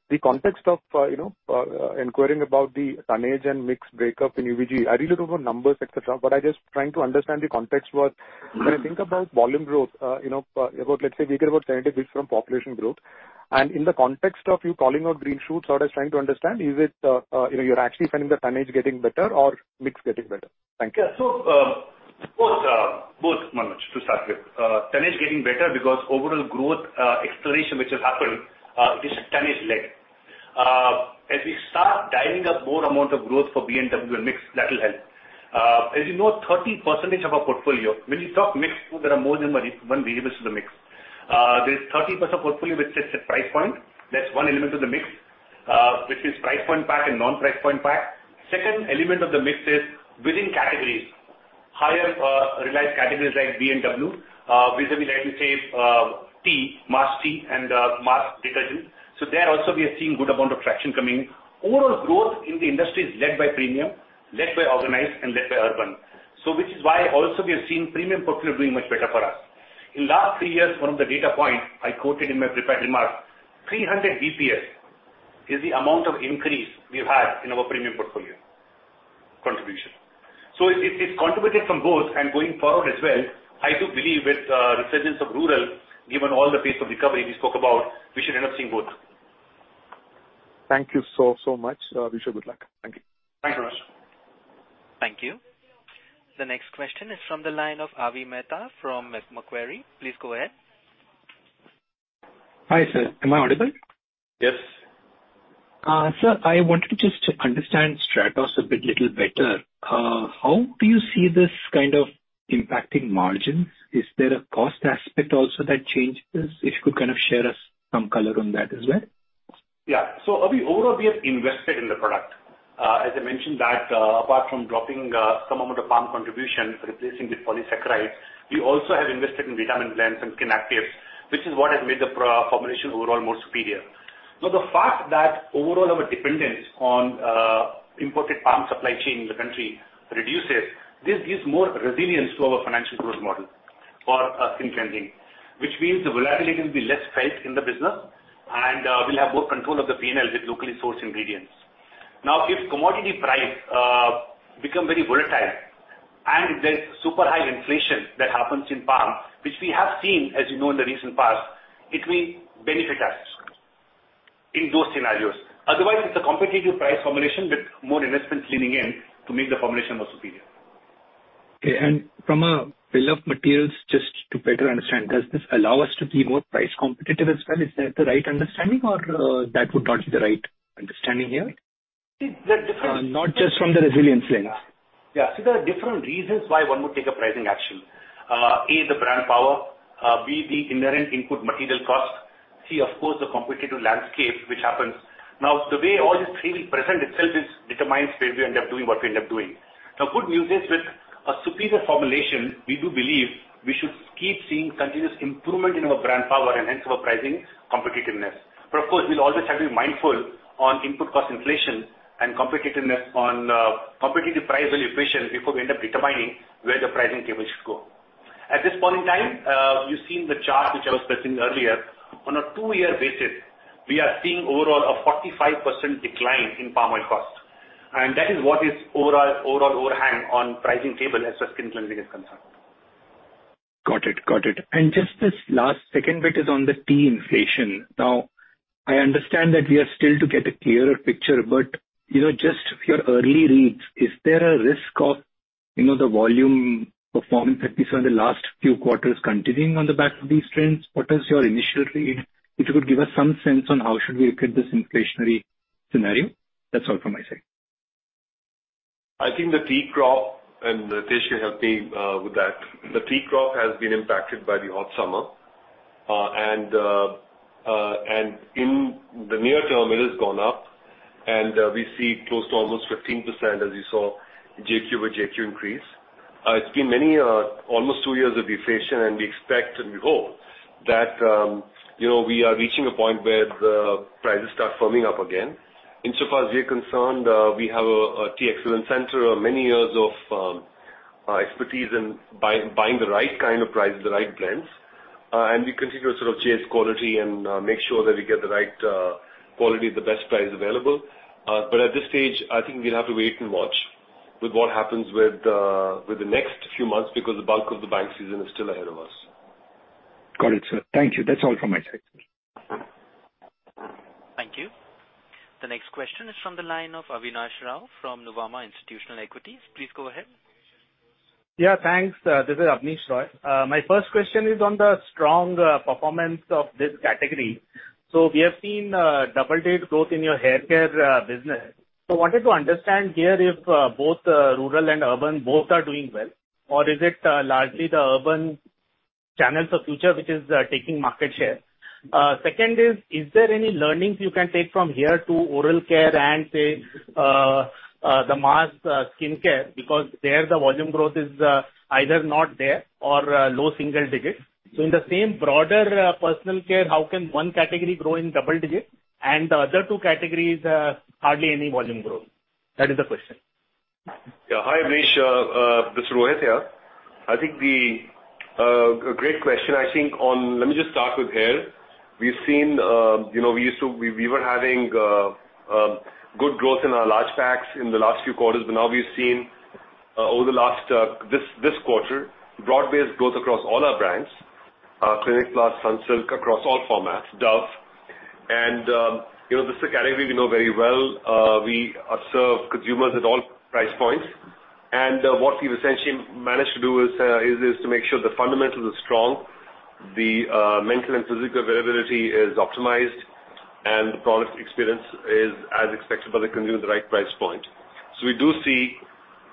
the context of you know inquiring about the tonnage and mix breakup in UVG. I really don't know numbers, et cetera, but I'm just trying to understand the context was when I think about volume growth, you know about let's say we get about 20% from population growth, and in the context of you calling out green shoots, what I was trying to understand, is it you know you're actually finding the tonnage getting better or mix getting better? Thank you. Yeah. So, both, Manoj, to start with. Tonnage getting better because overall growth expansion, which has happened, is tonnage led. As we start dialing up more amount of growth for premium and mix, that will help. As you know, 30% of our portfolio, when you talk mix, there are more than one variables to the mix. There's 30% portfolio, which sets a price point. That's one element of the mix, which is price point pack and non-price point pack. Second element of the mix is within categories, higher realized categories like premium, vis-à-vis, let me say, tea, mass tea and mass detergent. So there also we are seeing good amount of traction coming in. Overall growth in the industry is led by premium, led by organized and led by urban. So which is why also we are seeing premium portfolio doing much better for us. In last three years, one of the data points I quoted in my prepared remarks, 300 bps is the amount of increase we've had in our premium portfolio contribution. So it's, it's contributed from both and going forward as well, I do believe with resurgence of rural, given all the pace of recovery we spoke about, we should end up seeing both. Thank you so, so much. Wish you good luck. Thank you. Thanks, Manoj. Thank you. The next question is from the line of Avi Mehta from Macquarie. Please go ahead. Hi, sir. Am I audible? Yes. Sir, I wanted to just to understand Stratos a bit little better. How do you see this kind of impacting margins? Is there a cost aspect also that changes? If you could kind of share us some color on that as well. Yeah. So Avi, overall, we have invested in the product. As I mentioned that, apart from dropping some amount of palm contribution, replacing with polysaccharides, we also have invested in vitamin blends and skin actives, which is what has made the pro- formulation overall more superior. Now, the fact that overall our dependence on imported palm supply chain in the country reduces, this gives more resilience to our financial growth model for skin cleansing, which means the volatility will be less felt in the business, and we'll have more control of the P&L with locally sourced ingredients. Now, if commodity price become very volatile and if there's super high inflation that happens in palm, which we have seen, as you know, in the recent past, it will benefit us in those scenarios. Otherwise, it's a competitive price formulation, but more investments leaning in to make the formulation more superior. Okay, and from a bill of materials, just to better understand, does this allow us to be more price competitive as well? Is that the right understanding or, that would not be the right understanding here? See, the different- Not just from the resilience lens. Yeah. So there are different reasons why one would take a pricing action. A, the brand power, B, the inherent input material costs, C, of course, the competitive landscape, which happens. Now, the way all these three present itself is, determines where we end up doing what we end up doing. Now, good news is with a superior formulation, we do believe we should keep seeing continuous improvement in our brand power and hence our pricing competitiveness. But of course, we'll always have to be mindful on input cost inflation and competitiveness on, competitive price value equation before we end up determining where the pricing table should go. At this point in time, you've seen the chart, which I was presenting earlier. On a two-year basis, we are seeing overall a 45% decline in palm oil cost, and that is what is overall, overall overhang on pricing table as far as skin cleansing is concerned. Got it. Got it. Just this last second bit is on the tea inflation. Now, I understand that we are still to get a clearer picture, but, you know, just your early reads, is there a risk of, you know, the volume performance that we saw in the last few quarters continuing on the back of these trends? What is your initial read? If you could give us some sense on how should we look at this inflationary scenario? That's all from my side. I think the tea crop, and Ritesh can help me, with that. The tea crop has been impacted by the hot summer.... and in the near term, it has gone up, and we see close to almost 15% as you saw Q over Q increase. It's been many, almost two years of deflation, and we expect, and we hope that, you know, we are reaching a point where the prices start firming up again. In so far as we're concerned, we have a Tea Excellence center of many years of expertise in buying the right kind of price, the right brands, and we continue to sort of chase quality and make sure that we get the right quality at the best price available. But at this stage, I think we'll have to wait and watch with what happens with the next few months, because the bulk of the monsoon season is still ahead of us. Got it, sir. Thank you. That's all from my side. Thank you. The next question is from the line of Avinash Rao from Nuvama Institutional Equities. Please go ahead. Yeah, thanks. This is Avinash Rao. My first question is on the strong performance of this category. So we have seen double-digit growth in your hair care business. So I wanted to understand here if both rural and urban both are doing well, or is it largely the urban channels of future which is taking market share? Second is, is there any learnings you can take from here to oral care and, say the mass skin care? Because there, the volume growth is either not there or low single digits. So in the same broader personal care, how can one category grow in double digits and the other two categories hardly any volume growth? That is the question. Yeah. Hi, Avinash. This is Rohit here. I think the... A great question. I think on— Let me just start with hair. We've seen, you know, we used to... We, we were having good growth in our large packs in the last few quarters, but now we've seen, over the last, this, this quarter, broad-based growth across all our brands, Clinic Plus, Sunsilk, across all formats, Dove. And, you know, this is a category we know very well. We serve consumers at all price points, and, what we've essentially managed to do is, is, is to make sure the fundamentals are strong, the mental and physical availability is optimized, and the product experience is as expected by the consumer at the right price point. So we do see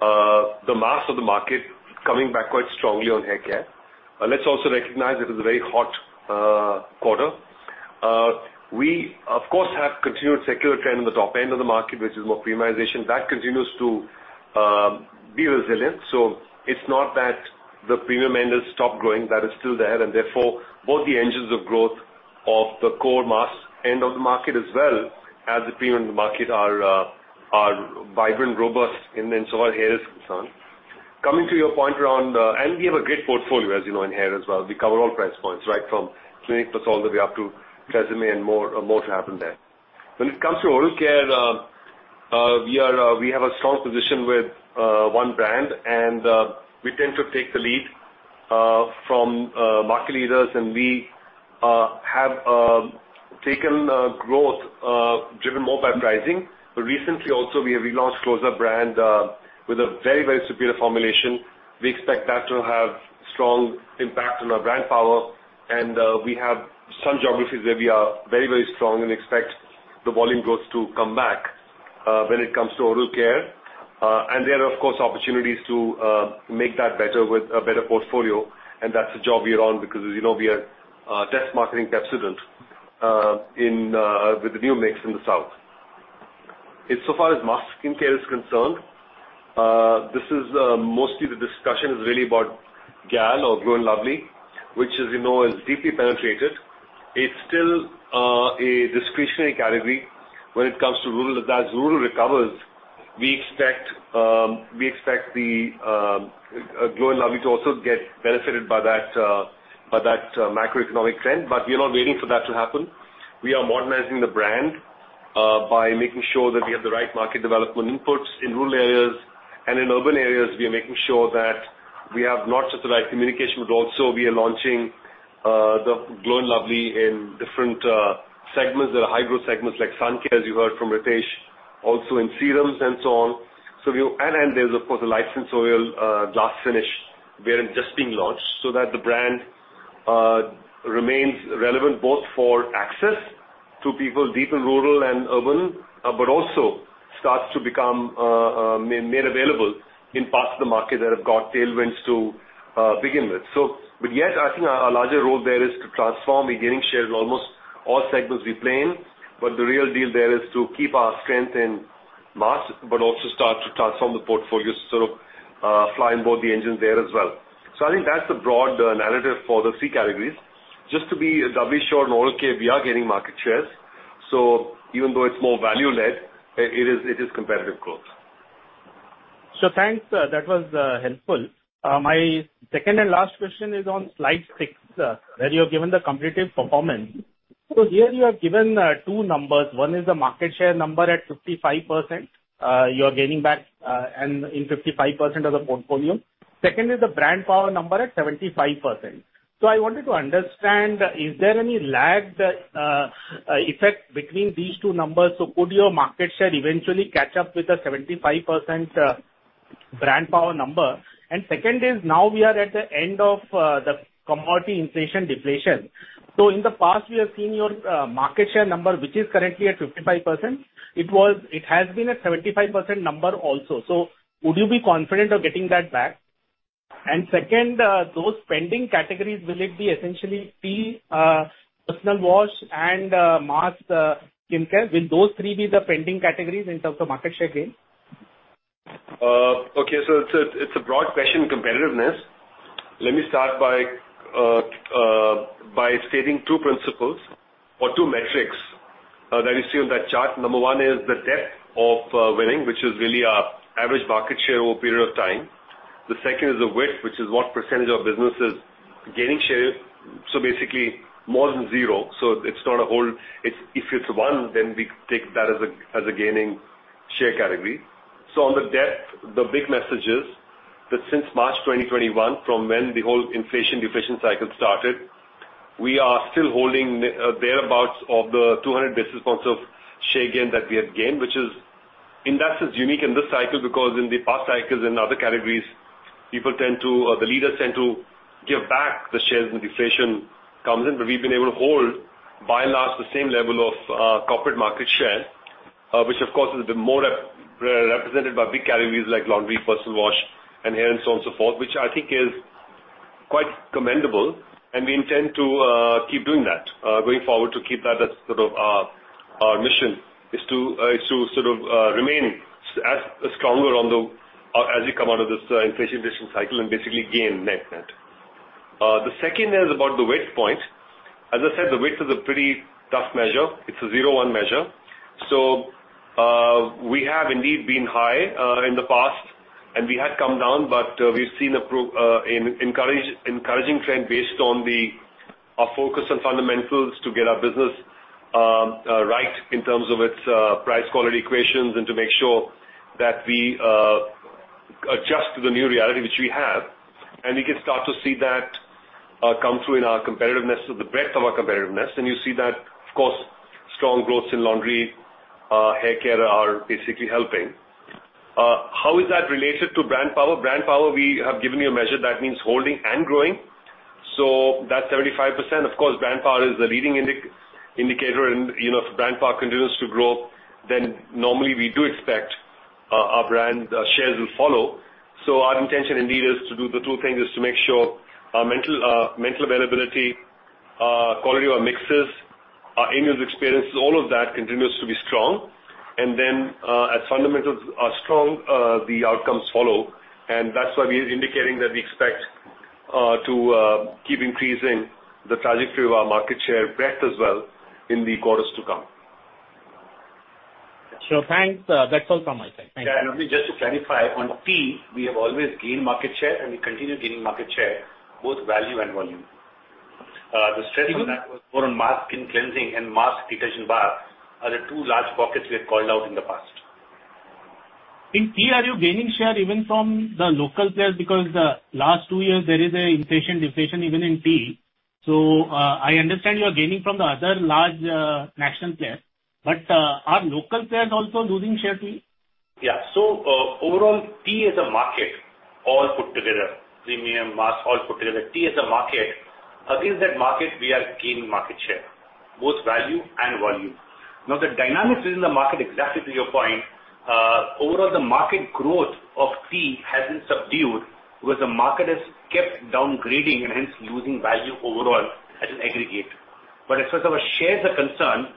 the mass of the market coming back quite strongly on hair care. Let's also recognize it is a very hot quarter. We, of course, have continued secular trend in the top end of the market, which is more premiumization. That continues to be resilient. So it's not that the premium end has stopped growing, that is still there, and therefore, both the engines of growth of the core mass end of the market as well as the premium market are vibrant, robust, so where hair is concerned. Coming to your point around... And we have a great portfolio, as you know, in hair as well. We cover all price points, right from Clinic Plus all the way up to TRESemmé and more, more to happen there. When it comes to oral care, we have a strong position with one brand, and we tend to take the lead from market leaders, and we have taken growth driven more by pricing. But recently also, we have relaunched Closeup brand with a very, very superior formulation. We expect that to have strong impact on our brand power, and we have some geographies where we are very, very strong and expect the volume growth to come back when it comes to oral care. And there are, of course, opportunities to make that better with a better portfolio, and that's the job we are on, because, as you know, we are test marketing Pepsodent in with the new mix in the south. Insofar as mass skincare is concerned, this is mostly the discussion is really about GAL or Glow & Lovely, which, as you know, is deeply penetrated. It's still a discretionary category when it comes to rural. As rural recovers, we expect the Glow & Lovely to also get benefited by that macroeconomic trend, but we are not waiting for that to happen. We are modernizing the brand by making sure that we have the right market development inputs in rural areas, and in urban areas, we are making sure that we have not just the right communication, but also we are launching the Glow & Lovely in different segments that are high-growth segments, like sun care, as you heard from Ritesh, also in serums and so on. So we... And there's, of course, a light sensorial glass finish, where it's just being launched so that the brand remains relevant both for access to people deep in rural and urban, but also starts to become made available in parts of the market that have got tailwinds to begin with. So, but yet, I think our larger role there is to transform. We're gaining shares in almost all segments we play in, but the real deal there is to keep our strength in mass, but also start to transform the portfolio, sort of, fly on both the engines there as well. So I think that's the broad narrative for the three categories. Just to be doubly sure, in oral care, we are gaining market shares, so even though it's more value-led, it is competitive growth. So thanks. That was helpful. My second and last question is on slide 6, where you have given the competitive performance. So here you have given two numbers. One is the market share number at 55%. You are gaining back, and in 55% of the portfolio. Second is the brand power number at 75%. So I wanted to understand, is there any lagged effect between these two numbers? So could your market share eventually catch up with the 75% brand power number? And second is, now we are at the end of the commodity inflation deflation. So in the past, we have seen your market share number, which is currently at 55%. It was. It has been at 75% number also. So would you be confident of getting that back?... Second, those pending categories, will it be essentially tea, personal wash, and mass skincare? Will those three be the pending categories in terms of market share gain? Okay, so it's a broad question, competitiveness. Let me start by stating two principles or two metrics that you see on that chart. Number one is the depth of winning, which is really our average market share over a period of time. The second is the width, which is what percentage of business is gaining share. So basically more than zero, so it's not a whole. It's if it's one, then we take that as a gaining share category. So on the depth, the big message is that since March 2021, from when the whole inflation-deflation cycle started, we are still holding nearly thereabouts of the 200 basis points of share gain that we have gained, which is, in that sense, unique in this cycle, because in the past cycles, in other categories, people tend to, or the leaders tend to give back the shares when deflation comes in. But we've been able to hold, by and large, the same level of corporate market share, which of course is more represented by big categories like laundry, personal wash, and hair, and so on and so forth, which I think is quite commendable, and we intend to keep doing that going forward, to keep that as sort of our mission, is to sort of remain stronger as we come out of this inflation-deflation cycle and basically gain net-net. The second is about the weight point. As I said, the weight is a pretty tough measure. It's a zero-one measure. So, we have indeed been high in the past, and we had come down, but we've seen an encouraging trend based on our focus on fundamentals to get our business right in terms of its price quality equations and to make sure that we adjust to the new reality which we have. And we can start to see that come through in our competitiveness, so the breadth of our competitiveness, and you see that, of course, strong growth in laundry, hair care are basically helping. How is that related to brand power? Brand power, we have given you a measure that means holding and growing. So that 75%, of course, brand power is the leading indicator, and, you know, if brand power continues to grow, then normally we do expect our brand shares will follow. So our intention indeed is to do the two things, is to make sure our mental availability, quality of our mixes, our end user experiences, all of that continues to be strong. And then, as fundamentals are strong, the outcomes follow, and that's why we are indicating that we expect to keep increasing the trajectory of our market share breadth as well in the quarters to come. Sure, thanks. That's all from my side. Thank you. Yeah, and just to clarify, on tea, we have always gained market share, and we continue gaining market share, both value and volume. The strength on that- Even- More on mass and cleansing and mass detergent bar are the two large pockets we have called out in the past. In tea, are you gaining share even from the local players? Because the last two years there is a inflation, deflation even in tea. So, I understand you are gaining from the other large, national players, but, are local players also losing share too? Yeah. So, overall, tea as a market, all put together, premium, mass, all put together, tea as a market, in that market, we are gaining market share, both value and volume. Now, the dynamics within the market, exactly to your point, overall, the market growth of tea has been subdued because the market has kept downgrading and hence losing value overall as an aggregate. But as far as our shares are concerned,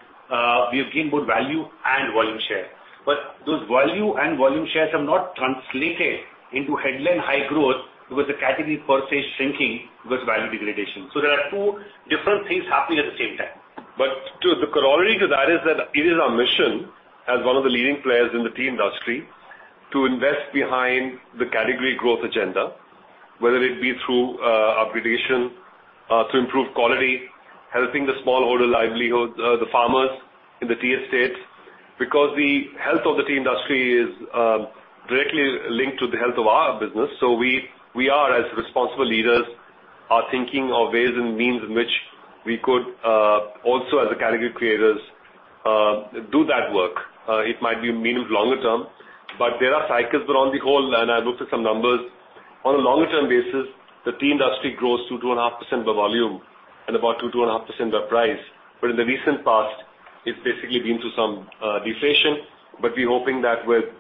we have gained both value and volume share. But those value and volume shares have not translated into headline high growth because the category per se is shrinking because value degradation. So there are two different things happening at the same time. But to the corollary to that is that it is our mission, as one of the leading players in the tea industry, to invest behind the category growth agenda, whether it be through, upgradation, to improve quality, helping the smallholder livelihood, the farmers in the tea estates, because the health of the tea industry is, directly linked to the health of our business. So we, we are, as responsible leaders, are thinking of ways and means in which we could, also, as the category creators, do that work. It might be means longer term, but there are cycles. But on the whole, and I looked at some numbers, on a longer term basis, the tea industry grows 2%-2.5% by volume and about 2%-2.5% by price. But in the recent past, it's basically been through some deflation. But we're hoping that with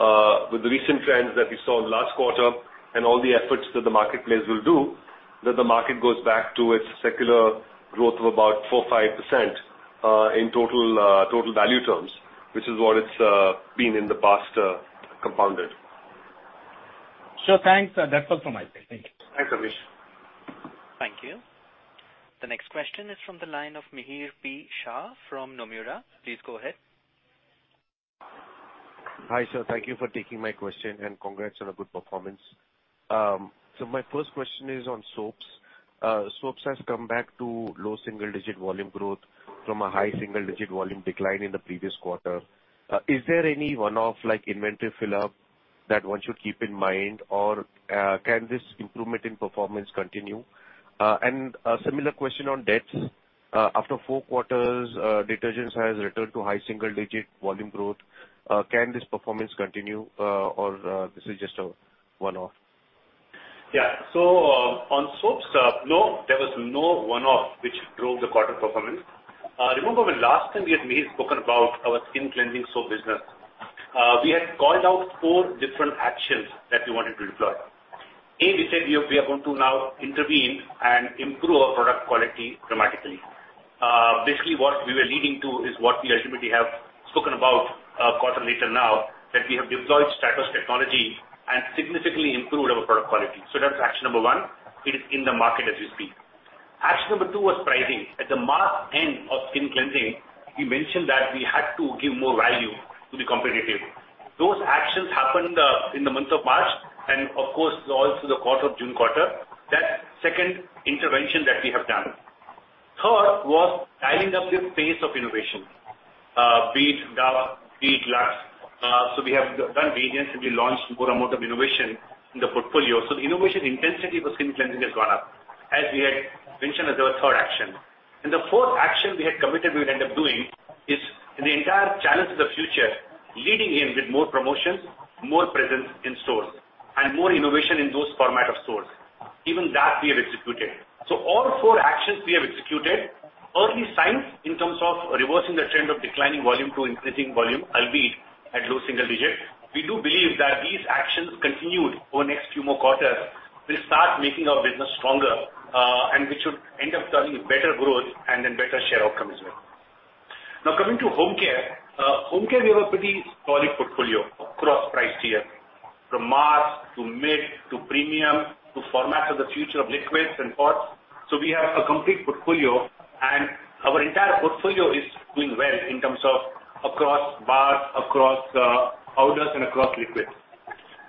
the recent trends that we saw in the last quarter and all the efforts that the marketplace will do, that the market goes back to its secular growth of about 4%-5% in total value terms, which is what it's been in the past, compounded. Sure, thanks. That's all from my side. Thank you. Thanks, Amish. Thank you. The next question is from the line of Mihir Shah from Nomura. Please go ahead. Hi, sir. Thank you for taking my question, and congrats on a good performance. So my first question is on soaps. Soaps has come back to low single digit volume growth from a high single digit volume decline in the previous quarter. Is there any one-off, like inventory fill-up, that one should keep in mind? Or, can this improvement in performance continue? And a similar question on dets. After four quarters, detergents has returned to high single digit volume growth. Can this performance continue, or, this is just a one-off? Yeah. So, on soaps-... No, there was no one-off which drove the quarter performance. Remember when last time we had spoken about our skin cleansing soap business, we had called out four different actions that we wanted to deploy. A, we said we are going to now intervene and improve our product quality dramatically. Basically, what we were leading to is what we ultimately have spoken about, quarter later now, that we have deployed Stratos technology and significantly improved our product quality. So that's action number one. It is in the market as we speak. Action number two was pricing. At the mass end of skin cleansing, we mentioned that we had to give more value to be competitive. Those actions happened, in the month of March, and of course, all through the quarter of June quarter. That's second intervention that we have done. Third, was dialing up the pace of innovation, be it Dove, be it Lux. So we have done vigorously, and we launched more amount of innovation in the portfolio. So the innovation intensity for skin cleansing has gone up, as we had mentioned as our third action. And the fourth action we had committed we would end up doing, is in the entire challenge of the future, leading in with more promotions, more presence in stores, and more innovation in those format of stores. Even that we have executed. So all four actions we have executed, early signs in terms of reversing the trend of declining volume to increasing volume, albeit at low single digits. We do believe that these actions continued over the next few more quarters will start making our business stronger, and which should end up turning a better growth and then better share outcome as well. Now, coming to home care. Home care, we have a pretty solid portfolio across price tier, from mass, to mid, to premium, to formats of the future of liquids and pods. So we have a complete portfolio, and our entire portfolio is doing well in terms of across bars, across powders, and across liquids.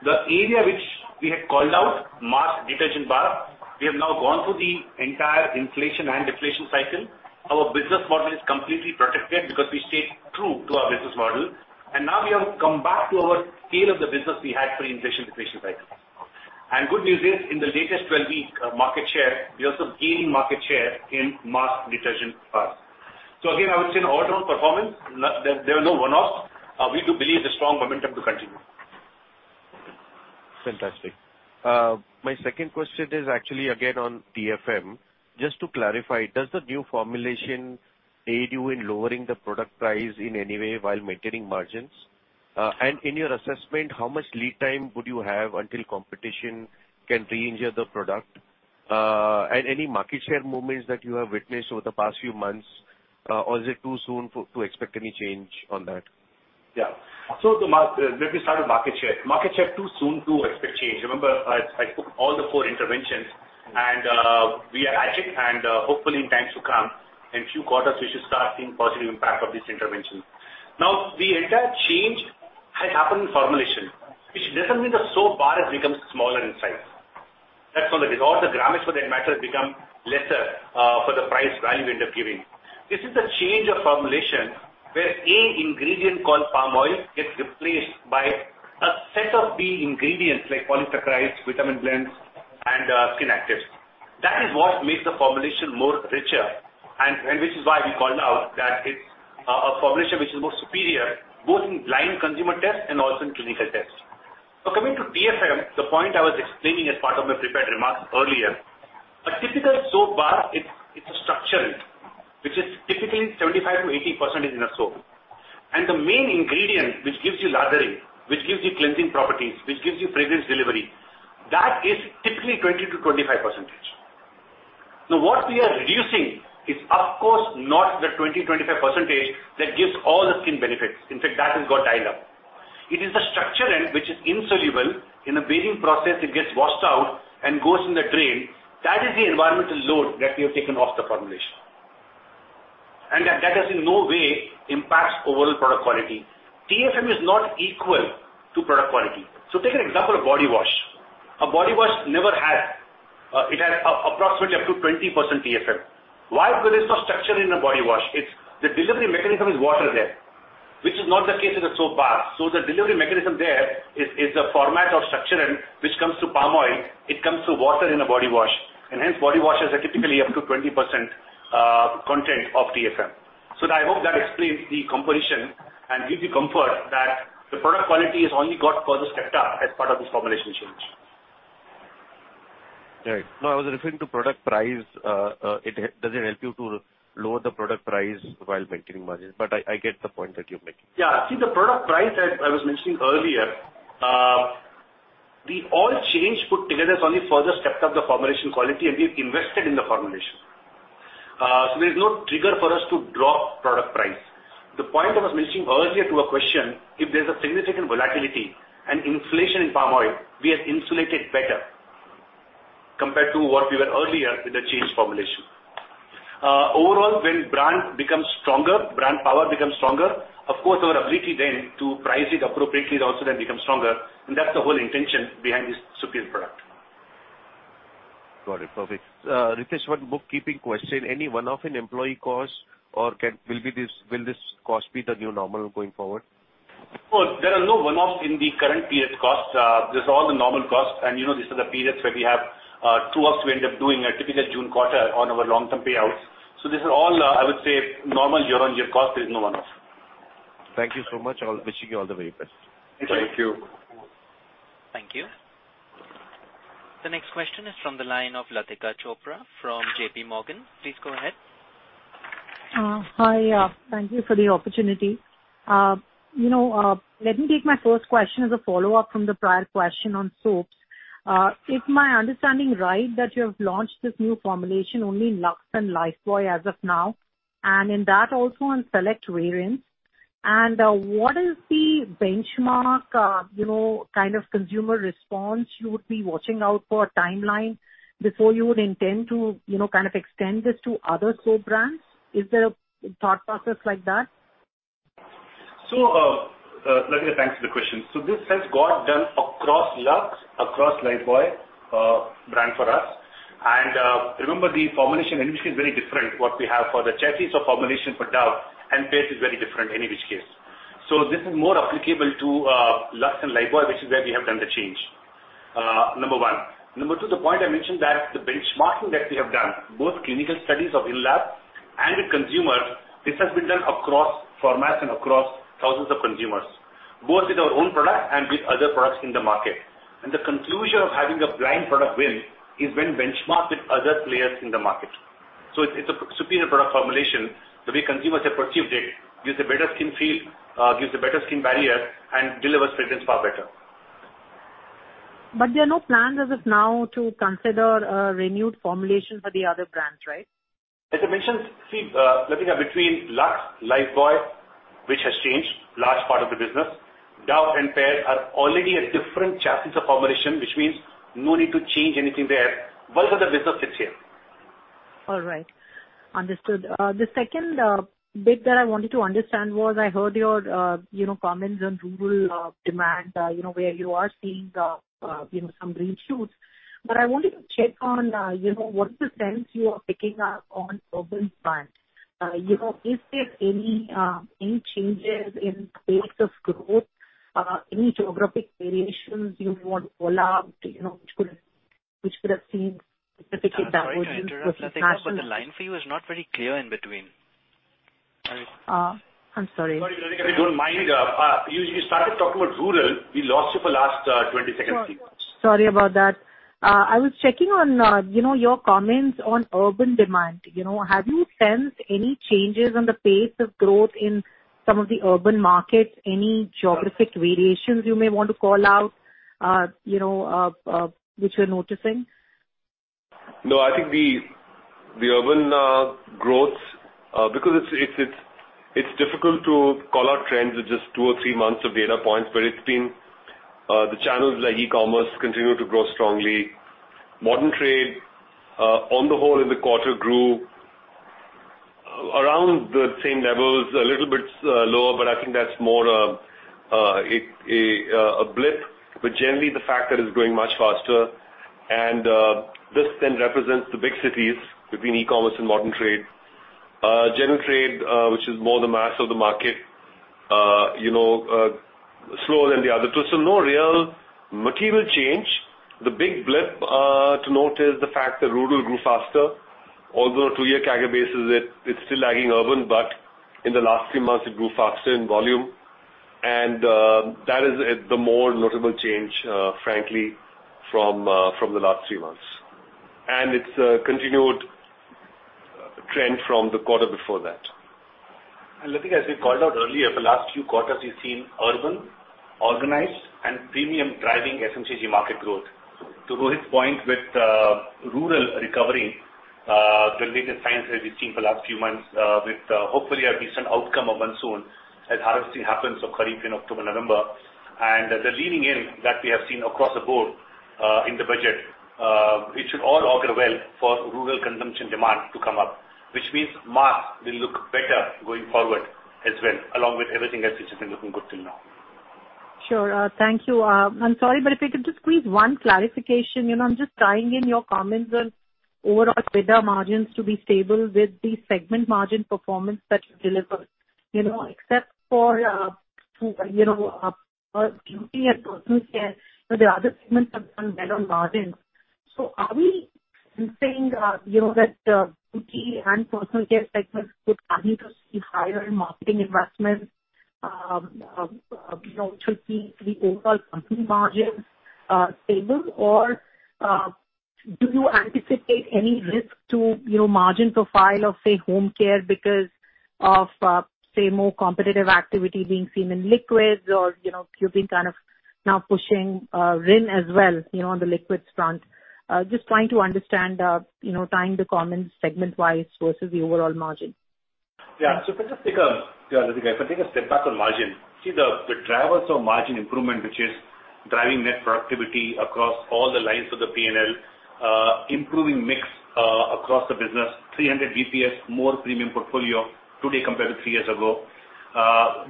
The area which we had called out, mass detergent bar, we have now gone through the entire inflation and deflation cycle. Our business model is completely protected because we stayed true to our business model, and now we have come back to our scale of the business we had pre-inflation, deflation cycle. Good news is, in the latest 12-week market share, we also gained market share in mass detergent bar. So again, I would say an all-round performance. There are no one-offs. We do believe the strong momentum to continue. Fantastic. My second question is actually again on TFM. Just to clarify, does the new formulation aid you in lowering the product price in any way while maintaining margins? And in your assessment, how much lead time would you have until competition can re-engineer the product? And any market share movements that you have witnessed over the past few months, or is it too soon for to expect any change on that? Yeah. So let me start with market share. Market share, too soon to expect change. Remember, I took all the four interventions, and we are at it, and hopefully in times to come, in few quarters, we should start seeing positive impact of this intervention. Now, the entire change has happened in formulation, which doesn't mean the soap bar has become smaller in size. That's not the case. All the grammages, for that matter, become lesser for the price value end up giving. This is a change of formulation where an ingredient called palm oil gets replaced by a set of B ingredients like polysaccharides, vitamin blends, and skin actives. That is what makes the formulation more richer, and, and which is why we called out that it's a, a formulation which is more superior, both in blind consumer tests and also in clinical tests. Now, coming to TFM, the point I was explaining as part of my prepared remarks earlier, a typical soap bar, it's, it's a structurant, which is typically 75%-80% is in a soap. And the main ingredient, which gives you lathering, which gives you cleansing properties, which gives you fragrance delivery, that is typically 20%-25%. Now, what we are reducing is of course not the 20%-25% that gives all the skin benefits. In fact, that has got dialed up. It is the structurant which is insoluble. In a bathing process, it gets washed out and goes in the drain. That is the environmental load that we have taken off the formulation. And that has in no way impacts overall product quality. TFM is not equal to product quality. So take an example of body wash. A body wash has approximately up to 20% TFM. Why? Because there's no structurant in a body wash. It's the delivery mechanism is water there, which is not the case in the soap bar. So the delivery mechanism there is a format of structurant, which comes through palm oil, it comes through water in a body wash, and hence, body washes are typically up to 20% content of TFM. So I hope that explains the composition and gives you comfort that the product quality has only got further stepped up as part of this formulation change. Right. No, I was referring to product price. Does it help you to lower the product price while maintaining margins? But I get the point that you're making. Yeah. See, the product price that I was mentioning earlier, the all change put together has only further stepped up the formulation quality, and we've invested in the formulation. So there's no trigger for us to drop product price. The point I was mentioning earlier to a question, if there's a significant volatility and inflation in palm oil, we are insulated better compared to what we were earlier with the changed formulation. Overall, when brand becomes stronger, brand power becomes stronger, of course, our ability then to price it appropriately also then becomes stronger, and that's the whole intention behind this superior product. Got it. Perfect. Ritesh, one bookkeeping question: Any one-off in employee costs, or will this cost be the new normal going forward? Well, there are no one-offs in the current period costs. This is all the normal costs, and you know, these are the periods where we have two months to end up doing a typical June quarter on our long-term payouts. So this is all, I would say, normal year-on-year cost. There is no one-off. ...Thank you so much. I'll-- wishing you all the very best. Thank you. Thank you. The next question is from the line of Latika Chopra from JPMorgan. Please go ahead. Hi, thank you for the opportunity. You know, let me take my first question as a follow-up from the prior question on soaps. Is my understanding right, that you have launched this new formulation only Lux and Lifebuoy as of now, and in that also on select variants? And, what is the benchmark, you know, kind of consumer response you would be watching out for a timeline before you would intend to, you know, kind of extend this to other soap brands? Is there a thought process like that? So, Latika, thanks for the question. So this has got done across Lux, across Lifebuoy, brand for us. And, remember, the formulation in which is very different, what we have for the chassis of formulation for Dove and Pears is very different, any which case. So this is more applicable to, Lux and Lifebuoy, which is where we have done the change, number one. Number two, the point I mentioned that the benchmarking that we have done, both clinical studies of in-lab and with consumers, this has been done across formats and across thousands of consumers, both with our own product and with other products in the market. And the conclusion of having a brand product win is when benchmarked with other players in the market. So it's, it's a superior product formulation. The way consumers have perceived it, gives a better skin feel, gives a better skin barrier and delivers fragrance far better. But there are no plans as of now to consider a renewed formulation for the other brands, right? As I mentioned, see, Latika, between Lux, Lifebuoy, which has changed large part of the business, Dove and Pears are already a different chassis of formulation, which means no need to change anything there. Bulk of the business sits here. All right. Understood. The second bit that I wanted to understand was, I heard your, you know, comments on rural demand, you know, where you are seeing, you know, some green shoots. But I wanted to check on, you know, what is the sense you are picking up on urban demand? You know, is there any changes in pace of growth, any geographic variations you want to call out, you know, which could have seen significant- Sorry to interrupt, Latika, but the line for you is not very clear in between. I'm sorry. Sorry, Latika, if you don't mind, you started talking about rural. We lost you for last 20 seconds. Sorry about that. I was checking on, you know, your comments on urban demand. You know, have you sensed any changes in the pace of growth in some of the urban markets? Any geographic variations you may want to call out, you know, which you're noticing? No, I think the urban growth, because it's difficult to call out trends with just two or three months of data points. But it's been the channels like e-commerce continue to grow strongly. Modern trade, on the whole in the quarter grew around the same levels, a little bit lower, but I think that's more a blip. But generally, the sector is growing much faster. And this then represents the big cities between e-commerce and modern trade. General trade, which is more the mass of the market, you know, slower than the other two. So no real material change. The big blip to note is the fact that rural grew faster, although two-year CAGR basis it, it's still lagging urban, but in the last three months, it grew faster in volume. And that is the more notable change, frankly, from the last three months. And it's a continued trend from the quarter before that. Latika, as we called out earlier, for last few quarters, we've seen urban, organized and premium driving FMCG market growth. To Rohit's point, with rural recovering, the latest signs that we've seen for the last few months, with hopefully a decent outcome of monsoon as harvesting happens of Kharif in October, November. The leading in that we have seen across the board, in the budget, it should all auger well for rural consumption demand to come up, which means mass will look better going forward as well, along with everything else, which has been looking good till now. Sure. Thank you. I'm sorry, but if I could just squeeze one clarification. You know, I'm just tying in your comments on overall trader margins to be stable with the segment margin performance that you delivered. You know, except for beauty and personal care, the other segments have done well on margins. So are we saying you know, that beauty and personal care segments could continue to see higher in marketing investments, you know, to keep the overall company margins stable? Or do you anticipate any risk to you know, margin profile of, say, home care because of say, more competitive activity being seen in liquids or, you know, you've been kind of now pushing Rin as well, you know, on the liquids front? Just trying to understand, you know, tying the comments segment-wise versus the overall margin. Yeah. So if I just take Yeah, Latika, if I take a step back on margin, see the drivers of margin improvement, which is driving net productivity across all the lines of the P&L, improving mix, across the business, 300 basis points more premium portfolio today compared to three years ago.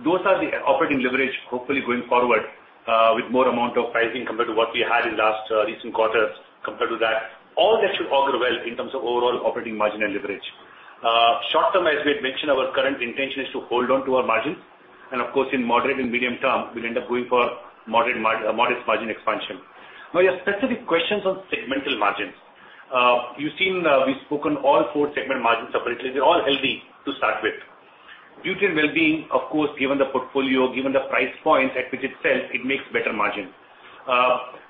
Those are the operating leverage, hopefully going forward, with more amount of pricing compared to what we had in the last, recent quarters compared to that. All that should augur well in terms of overall operating margin and leverage. Short term, as we had mentioned, our current intention is to hold on to our margins, and of course, in moderate and medium term, we'll end up going for modest margin expansion. Now, your specific questions on segmental margins.... you've seen, we've spoken all four segment margins separately. They're all healthy to start with. Beauty and Wellbeing, of course, given the portfolio, given the price point at which it sells, it makes better margins.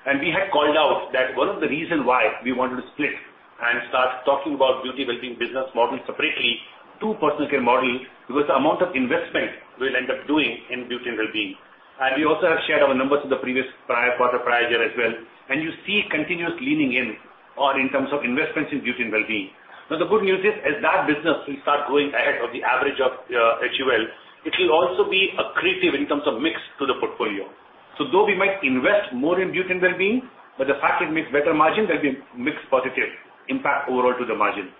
And we had called out that one of the reason why we wanted to split and start talking about Beauty and Wellbeing business model separately, two personal care model, because the amount of investment we'll end up doing in Beauty and Wellbeing. And we also have shared our numbers in the previous prior, quarter prior year as well. And you see continuous leaning in or in terms of investments in Beauty and Wellbeing. Now, the good news is, as that business will start growing ahead of the average of, HUL, it will also be accretive in terms of mix to the portfolio. So though we might invest more in Beauty and Wellbeing, but the fact it makes better margin there'll be mix positive impact overall to the margin.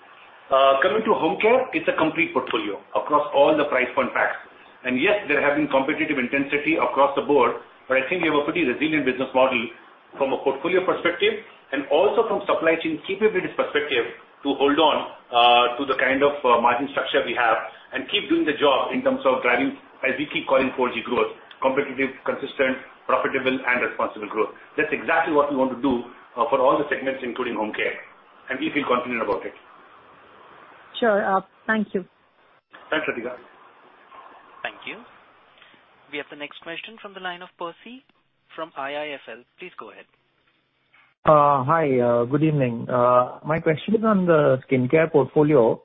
Coming to Home Care, it's a complete portfolio across all the price point packs. And yes, there have been competitive intensity across the board, but I think we have a pretty resilient business model from a portfolio perspective and also from supply chain capabilities perspective, to hold on to the kind of margin structure we have and keep doing the job in terms of driving, as we keep calling 4G growth: competitive, consistent, profitable, and responsible growth. That's exactly what we want to do for all the segments, including Home Care, and we feel confident about it. Sure, thank you. Thanks, Latika. Thank you. We have the next question from the line of Percy from IIFL. Please go ahead. Hi, good evening. My question is on the skincare portfolio.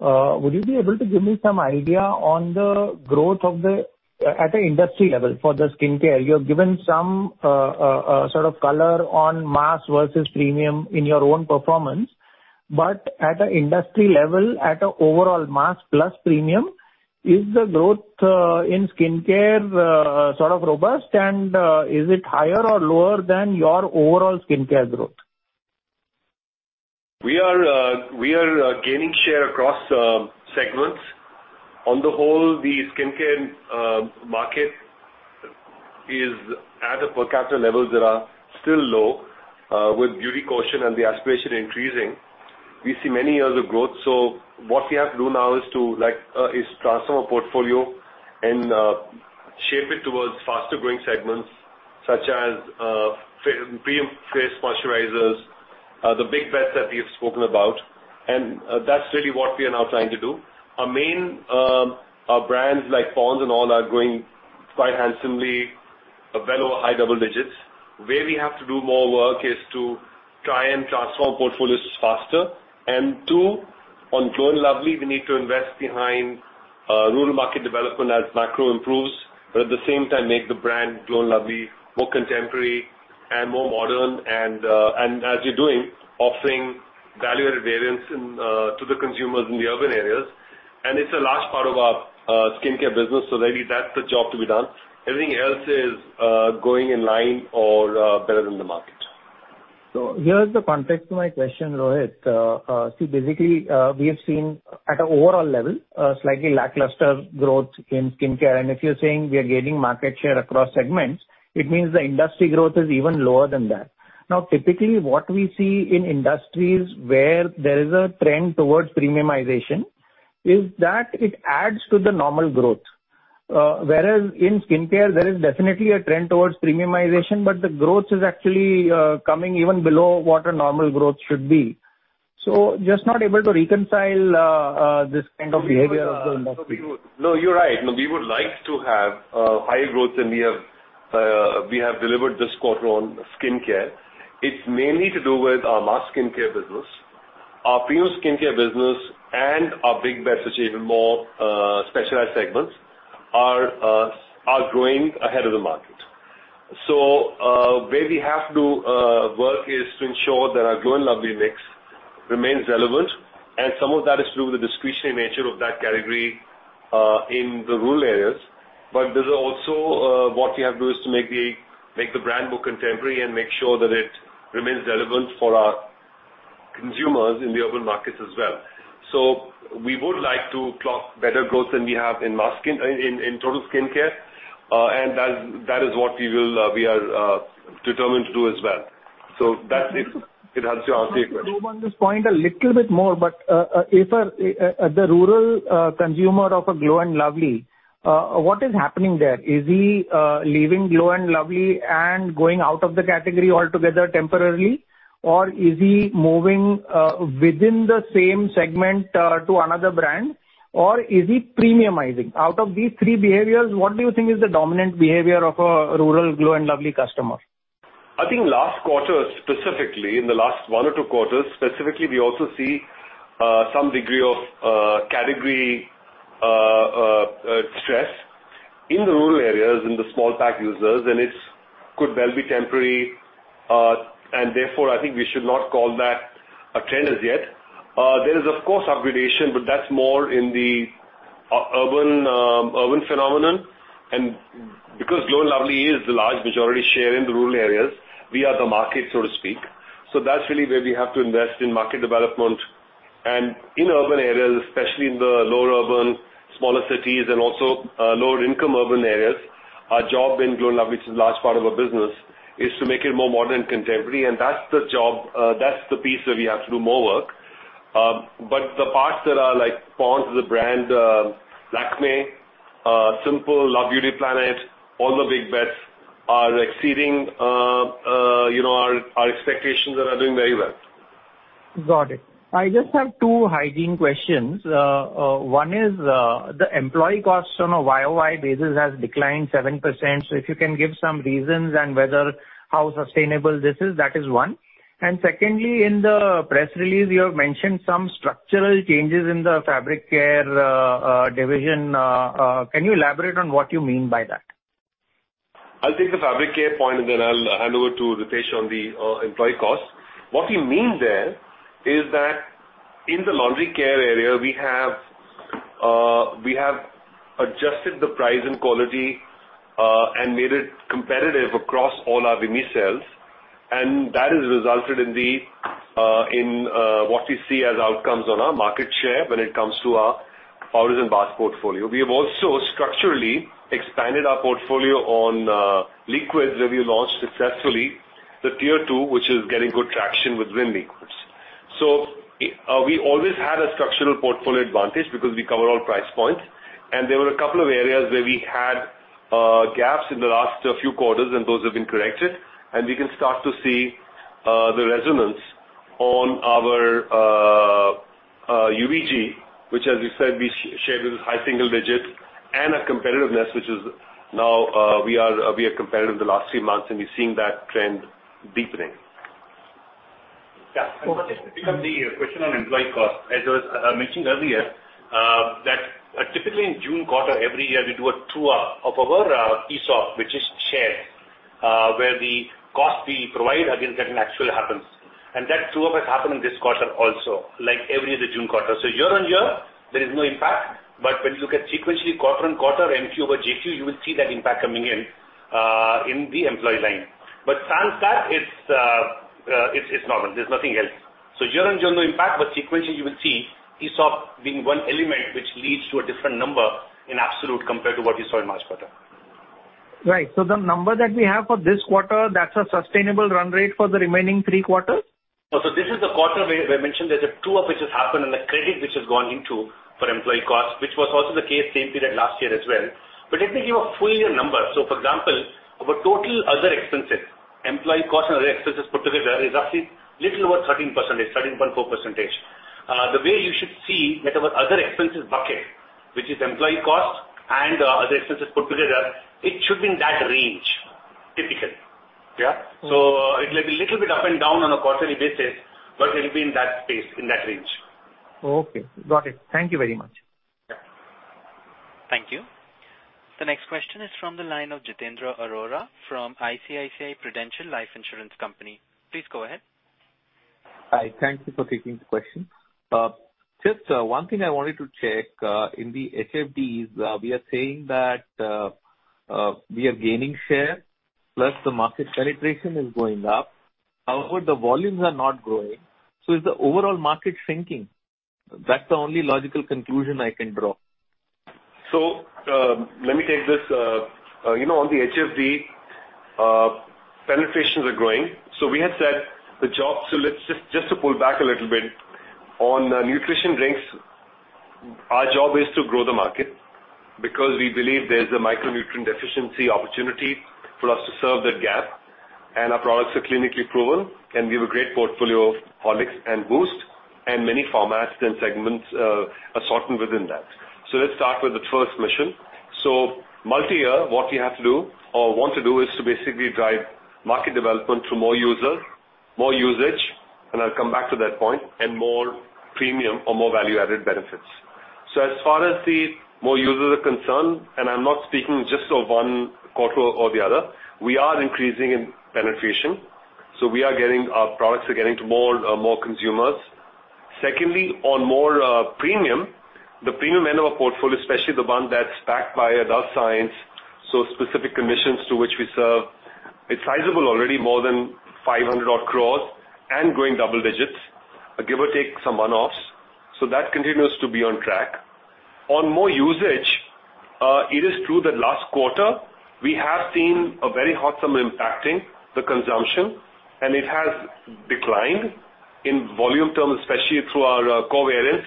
Would you be able to give me some idea on the growth of the, at an industry level for the skincare? You have given some, sort of color on mass versus premium in your own performance, but at an industry level, at an overall mass plus premium, is the growth, in skincare, sort of robust? And, is it higher or lower than your overall skincare growth? We are, we are, gaining share across, segments. On the whole, the skincare, market is at per capita levels that are still low, with beauty consumption and the aspiration increasing. We see many years of growth, so what we have to do now is to like, is transform our portfolio and, shape it towards faster growing segments, such as, premium face moisturizers, the big bets that we have spoken about, and, that's really what we are now trying to do. Our main, brands like Pond’s and all, are growing quite handsomely, well over high double digits. Where we have to do more work is to try and transform portfolios faster, and two, on Glow and Lovely, we need to invest behind rural market development as macro improves, but at the same time, make the brand Glow and Lovely more contemporary and more modern, and as you're doing, offering value-added variants into the consumers in the urban areas. And it's a large part of our skincare business, so really that's the job to be done. Everything else is going in line or better than the market. So here is the context to my question, Rohit. So basically, we have seen at an overall level, a slightly lackluster growth in skincare. And if you're saying we are gaining market share across segments, it means the industry growth is even lower than that. Now, typically, what we see in industries where there is a trend towards premiumization, is that it adds to the normal growth. Whereas in skincare, there is definitely a trend towards premiumization, but the growth is actually coming even below what a normal growth should be. So just not able to reconcile this kind of behavior of the industry. No, you're right. No, we would like to have higher growth than we have delivered this quarter on skincare. It's mainly to do with our mass skincare business. Our premium skincare business and our big bet, such as even more specialized segments are growing ahead of the market. So, where we have to work is to ensure that our Glow & Lovely mix remains relevant, and some of that is to do with the discretionary nature of that category in the rural areas. But there's also what we have to do is to make the brand more contemporary and make sure that it remains relevant for our consumers in the urban markets as well. So we would like to clock better growth than we have in mass skin—in total skincare, and that is what we will, we are determined to do as well. So that's it. It helps you answer your question. On this point a little bit more, but if the rural consumer of a Glow & Lovely, what is happening there? Is he leaving Glow & Lovely and going out of the category altogether temporarily? Or is he moving within the same segment to another brand? Or is he premiumizing? Out of these three behaviors, what do you think is the dominant behavior of a rural Glow & Lovely customer? I think last quarter, specifically in the last one or two quarters, specifically, we also see some degree of category stress in the rural areas, in the small pack users, and it could well be temporary. And therefore, I think we should not call that a trend as yet. There is, of course, upgradation, but that's more in the urban phenomenon. And because Glow & Lovely is the large majority share in the rural areas, we are the market, so to speak. So that's really where we have to invest in market development. And in urban areas, especially in the lower urban, smaller cities and also lower income urban areas, our job in Glow & Lovely, which is a large part of our business, is to make it more modern and contemporary, and that's the job... That's the piece where we have to do more work. But the parts that are like Pond’s, the brand, Lakmé, Simple, Love Beauty & Planet, all the big bets are exceeding, you know, our expectations and are doing very well. Got it. I just have two hygiene questions. One is, the employee costs on a YOY basis has declined 7%. So if you can give some reasons and whether how sustainable this is, that is one. And secondly, in the press release, you have mentioned some structural changes in the fabric care division. Can you elaborate on what you mean by that? I'll take the fabric care point, and then I'll hand over to Ritesh on the employee costs. What we mean there is that in the laundry care area, we have adjusted the price and quality, and made it competitive across all our Vim cells, and that has resulted in what we see as outcomes on our market share when it comes to our powders and bars portfolio. We have also structurally expanded our portfolio on liquids, where we launched successfully the tier two, which is getting good traction with Vim Liquids. We always had a structural portfolio advantage because we cover all price points, and there were a couple of areas where we had gaps in the last few quarters, and those have been corrected, and we can start to see the resonance on our UVG, which, as we said, we shared with high single digit and a competitiveness, which is now we are, we are competitive the last three months, and we're seeing that trend deepening. Yeah, I'll pick up the question on employee cost. As I was mentioning earlier, that typically in June quarter, every year, we do a true up of our ESOP, which is shares, where the cost we provide against that actually happens. And that true up has happened in this quarter also, like every other June quarter. So year-on-year, there is no impact, but when you look at sequentially, quarter-on-quarter, MQ over JQ, you will see that impact coming in in the employee line. But sans that, it's normal. There's nothing else. So year-on-year, no impact, but sequentially, you will see ESOP being one element which leads to a different number in absolute compared to what you saw in March quarter. Right. So the number that we have for this quarter, that's a sustainable run rate for the remaining three quarters? So this is the quarter where I mentioned there's a true up which has happened and the credit which has gone into for employee costs, which was also the case same period last year as well. But let me give a full year number. So for example, our total other expenses, employee costs and other expenses put together, is actually little over 13%, 13.4%. The way you should see that our other expenses bucket, which is employee cost and other expenses put together, it should be in that range, typically. Yeah? Mm-hmm. So it may be little bit up and down on a quarterly basis, but it'll be in that space, in that range. Okay, got it. Thank you very much. Yeah. Thank you. The next question is from the line of Jitendra Arora from ICICI Prudential Life Insurance Company. Please go ahead. Hi, thank you for taking the question. Just one thing I wanted to check in the HFDs, we are saying that we are gaining share, plus the market penetration is going up. However, the volumes are not growing, so is the overall market shrinking? That's the only logical conclusion I can draw. So, let me take this. You know, on the HFD, penetrations are growing. So let's just, just to pull back a little bit, on nutrition drinks, our job is to grow the market because we believe there's a micronutrient deficiency opportunity for us to serve that gap, and our products are clinically proven, and we have a great portfolio of Horlicks and Boost and many formats and segments, assortment within that. So let's start with the first mission. So multi-year, what we have to do or want to do is to basically drive market development through more users, more usage, and I'll come back to that point, and more premium or more value-added benefits. So as far as the more users are concerned, and I'm not speaking just of one quarter or the other, we are increasing in penetration, so we are getting, our products are getting to more, more consumers. Secondly, on more premium, the premium end of our portfolio, especially the one that's backed by adult science, so specific conditions to which we serve, it's sizable already, more than 500-odd crores and growing double digits, give or take some one-offs. So that continues to be on track. On more usage, it is true that last quarter we have seen a very hot sun impacting the consumption, and it has declined in volume terms, especially through our core variants.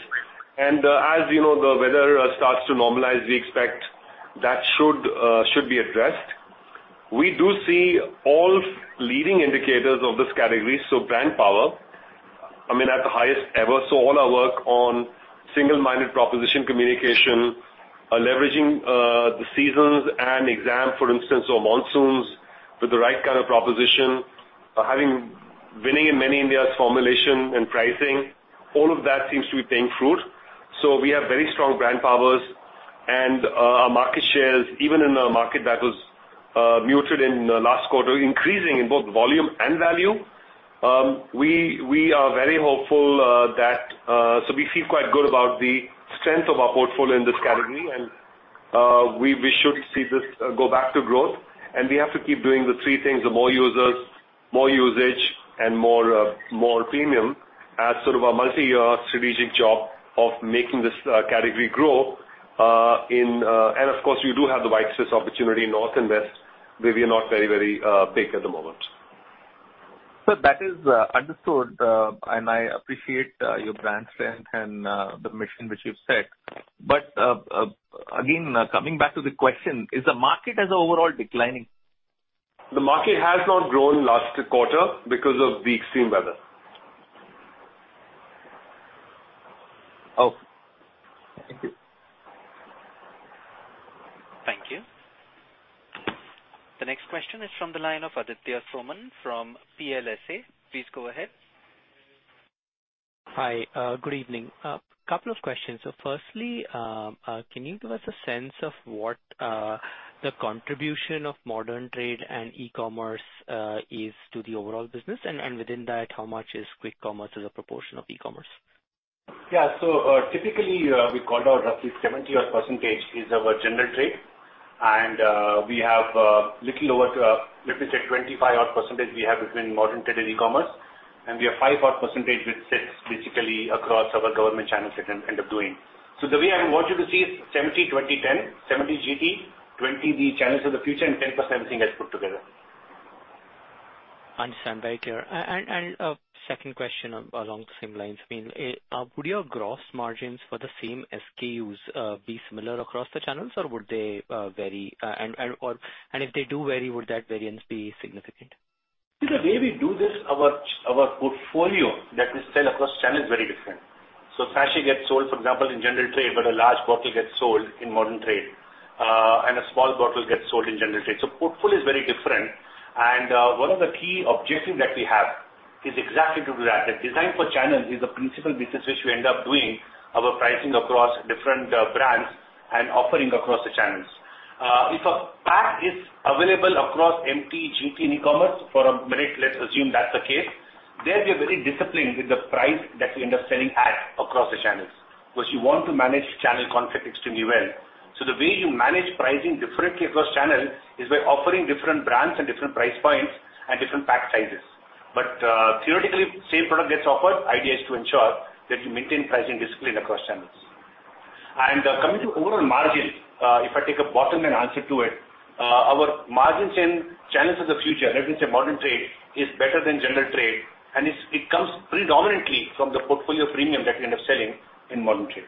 And, as you know, the weather starts to normalize, we expect that should be addressed. We do see all leading indicators of this category, so brand power, I mean, at the highest ever. So all our work on single-minded proposition communication, leveraging the seasons and exams, for instance, or monsoons, with the right kind of proposition, having winning formulations and pricing in many Indias, all of that seems to be bearing fruit. So we have very strong brand powers and our market shares, even in a market that was muted in the last quarter, increasing in both volume and value. We are very hopeful that... So we feel quite good about the strength of our portfolio in this category, and we should see this go back to growth. We have to keep doing the three things, the more users, more usage, and more premium, as sort of a multi-year strategic job of making this category grow. And of course, we do have the white space opportunity in North and West, where we are not very, very big at the moment.... So that is understood, and I appreciate your brand strength and the mission which you've set. But again, coming back to the question, is the market as overall declining? The market has not grown last quarter because of the extreme weather. Oh, thank you. Thank you. The next question is from the line of Aditya Soman from Prabhudas Lilladher. Please go ahead. Hi, good evening. Couple of questions. So firstly, can you give us a sense of what the contribution of modern trade and e-commerce is to the overall business? And, within that, how much is quick commerce as a proportion of e-commerce? Yeah. So, typically, we called out roughly 70 odd % is our general trade, and we have little over, let me say, 25 odd % we have between modern trade and e-commerce, and we have 5 odd %, which sits basically across our government channels that end up doing. So the way I want you to see is 70, 20, 10. 70 GT, 20 the channels of the future, and 10% everything else put together. Understand. Very clear. And second question along the same lines, I mean, would your gross margins for the same SKUs be similar across the channels, or would they vary? And if they do vary, would that variance be significant? The way we do this, our portfolio that we sell across channel is very different. So sachet gets sold, for example, in general trade, but a large bottle gets sold in modern trade, and a small bottle gets sold in general trade. So portfolio is very different, and, one of the key objectives that we have is exactly to do that. The design for channel is a principal business which we end up doing our pricing across different, brands and offering across the channels. If a pack is available across MT, GT, and e-commerce, for a minute, let's assume that's the case, then we are very disciplined with the price that we end up selling at across the channels, because you want to manage channel conflict extremely well. The way you manage pricing differently across channels is by offering different brands and different price points and different pack sizes. But theoretically, same product gets offered. Idea is to ensure that you maintain pricing discipline across channels. Coming to overall margin, if I take a bottom line answer to it, our margins in channels of the future, let me say, modern trade, is better than general trade, and it comes predominantly from the portfolio premium that we end up selling in modern trade.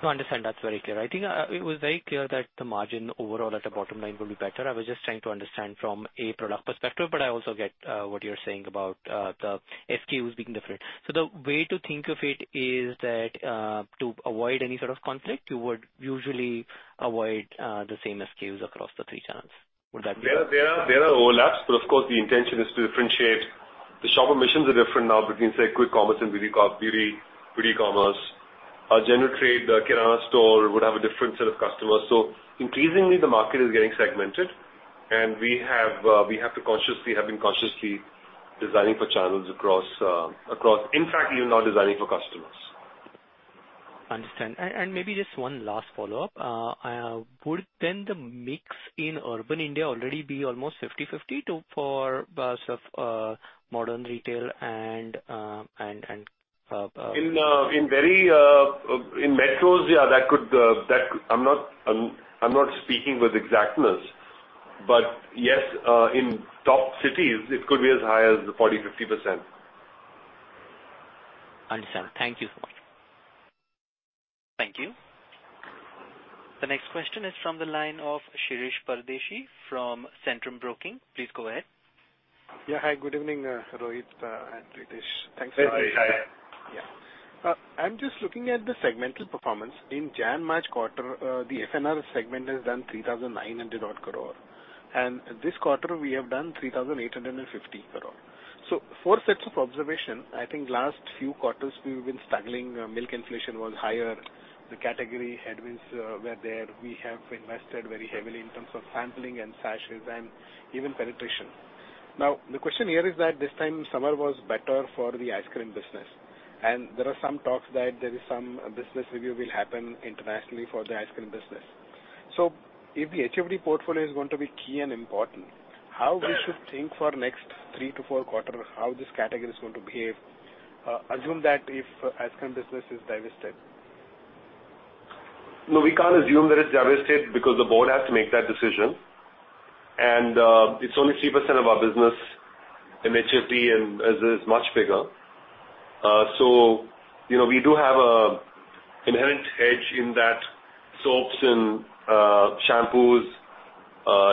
No, understand. That's very clear. I think it was very clear that the margin overall at the bottom line will be better. I was just trying to understand from a product perspective, but I also get what you're saying about the SKUs being different. So the way to think of it is that to avoid any sort of conflict, you would usually avoid the same SKUs across the three channels. Would that be- There are overlaps, but of course, the intention is to differentiate. The shopper missions are different now between, say, quick commerce and beauty commerce. Our general trade, the Kirana store, would have a different set of customers. So increasingly, the market is getting segmented, and we have to consciously have been consciously designing for channels across. In fact, even now, designing for customers. Understand. And, and maybe just one last follow-up. Would then the mix in Urban India already be almost 50/50 to, for, sort of, modern retail and, and, and, In very metros, yeah, that could... I'm not speaking with exactness, but yes, in top cities, it could be as high as 40%-50%. Understand. Thank you so much. Thank you. The next question is from the line of Shirish Pardeshi from Centrum Broking. Please go ahead. Yeah, hi, good evening, Rohit and Ritesh. Thanks. Hi, Shirish. Yeah. I'm just looking at the segmental performance. In January-March quarter, the FNR segment has done 3,900 crore, and this quarter we have done 3,850 crore. So four sets of observation. I think last few quarters we've been struggling, milk inflation was higher, the category headwinds, were there. We have invested very heavily in terms of sampling and sachets and even penetration. Now, the question here is that this time, summer was better for the ice cream business, and there are some talks that there is some business review will happen internationally for the ice cream business. So if the HFD portfolio is going to be key and important, how we should think for next 3-4 quarter, how this category is going to behave, assume that if ice cream business is divested? No, we can't assume that it's divested because the board has to make that decision. It's only 3% of our business in HFD, and the other is much bigger. So you know, we do have an inherent edge in that soaps and shampoos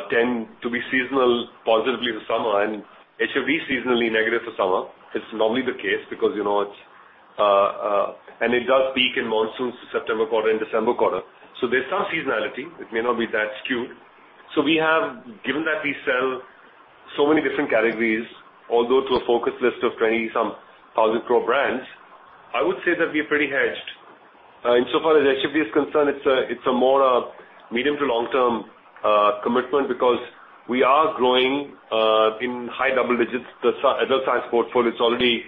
tend to be seasonal, positively for summer, and HFD is seasonally negative for summer. It's normally the case because, you know, it's... It does peak in monsoons, September quarter and December quarter. So there's some seasonality. It may not be that skewed. So we have, given that we sell so many different categories, although to a focused list of 20-something pro brands, I would say that we're pretty hedged. Insofar as HFD is concerned, it's a more medium- to long-term commitment because we are growing in high double digits. The adult science portfolio is already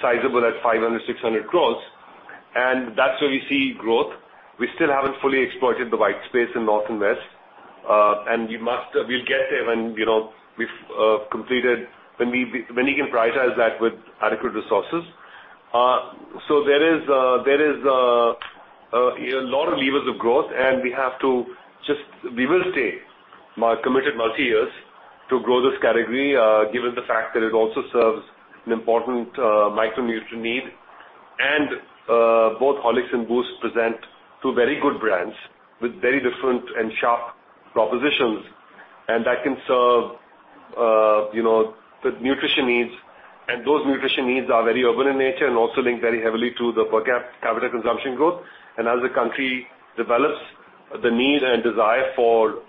sizable at 500-600 crore, and that's where we see growth. We still haven't fully exploited the white space in Worth and West, and we must, we'll get there when, you know, we've completed, when we, when we can prioritize that with adequate resources. So there is a lot of levers of growth, and we have to just we will stay committed multi-years to grow this category, given the fact that it also serves an important micronutrient need. And both Horlicks and Boost present two very good brands with very different and sharp propositions, and that can serve, you know, the nutrition needs. And those nutrition needs are very urban in nature and also linked very heavily to the per capita consumption growth. As the country develops, the need and desire for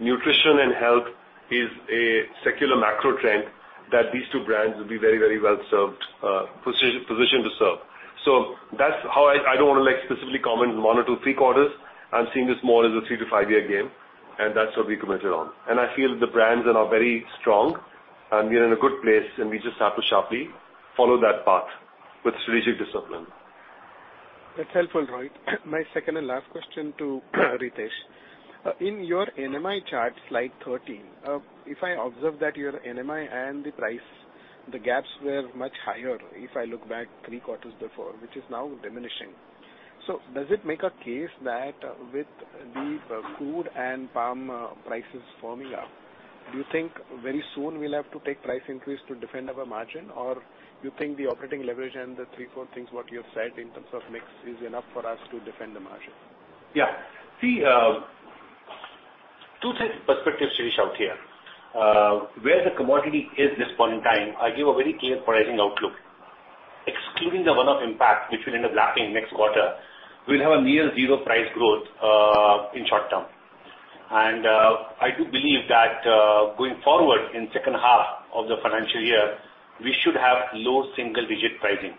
nutrition and health is a secular macro trend that these two brands will be very, very well served, positioned to serve. That's how I... I don't want to, like, specifically comment on one or two, three quarters. I'm seeing this more as a three to five-year game, and that's what we committed on. I feel the brands are now very strong, and we are in a good place, and we just have to sharply follow that path with strategic discipline. That's helpful, Rohit. My second and last question to Ritesh. In your NMI chart, slide 13, if I observe that your NMI and the price, the gaps were much higher if I look back 3 quarters before, which is now diminishing. So does it make a case that with the food and palm prices firming up, do you think very soon we'll have to take price increase to defend our margin? Or you think the operating leverage and the 3, 4 things, what you have said in terms of mix, is enough for us to defend the margin? Yeah. See, 2, 3 perspectives to reach out here. Where the commodity is this point in time, I give a very clear pricing outlook. Excluding the one-off impact, which will end up lapping next quarter, we'll have a near zero price growth in short term. And, I do believe that, going forward in second half of the financial year, we should have low single digit pricing,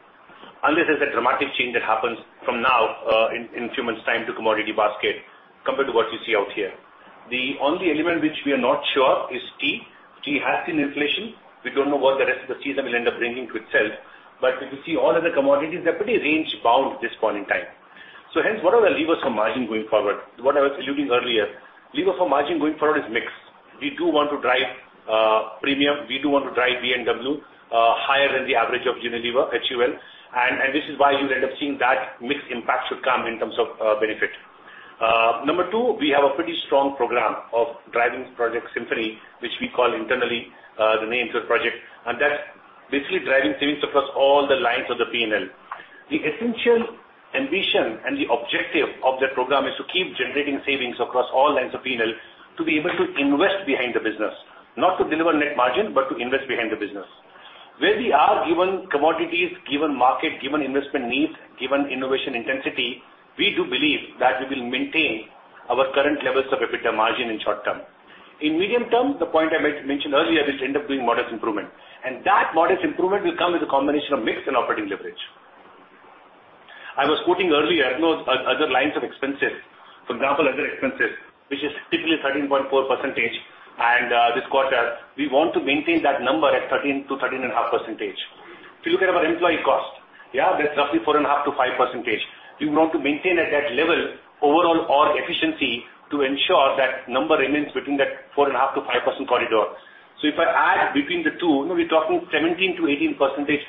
unless there's a dramatic change that happens from now, in few months' time to commodity basket compared to what you see out here. The only element which we are not sure is tea. Tea has seen inflation. We don't know what the rest of the season will end up bringing to itself. But if you see all other commodities, they're pretty range bound at this point in time. So hence, what are the levers for margin going forward? What I was alluding earlier, lever for margin going forward is mix. We do want to drive premium. We do want to drive B&W higher than the average of Unilever, HUL, and, and this is why you'd end up seeing that mix impact should come in terms of benefit. Number two, we have a pretty strong program of driving Project Symphony, which we call internally the name of the project, and that's basically driving savings across all the lines of the P&L. The essential ambition and the objective of that program is to keep generating savings across all lines of P&L, to be able to invest behind the business, not to deliver net margin, but to invest behind the business. Where we are, given commodities, given market, given investment needs, given innovation intensity, we do believe that we will maintain our current levels of EBITDA margin in short term. In medium term, the point I made, mentioned earlier, will end up being modest improvement, and that modest improvement will come as a combination of mix and operating leverage. I was quoting earlier, you know, other lines of expenses, for example, other expenses, which is typically 13.4%, and, this quarter, we want to maintain that number at 13%-13.5%. If you look at our employee cost, yeah, that's roughly 4.5%-5%. We want to maintain at that level overall org efficiency to ensure that number remains between that 4.5%-5% corridor. If I add between the two, we're talking 17%-18%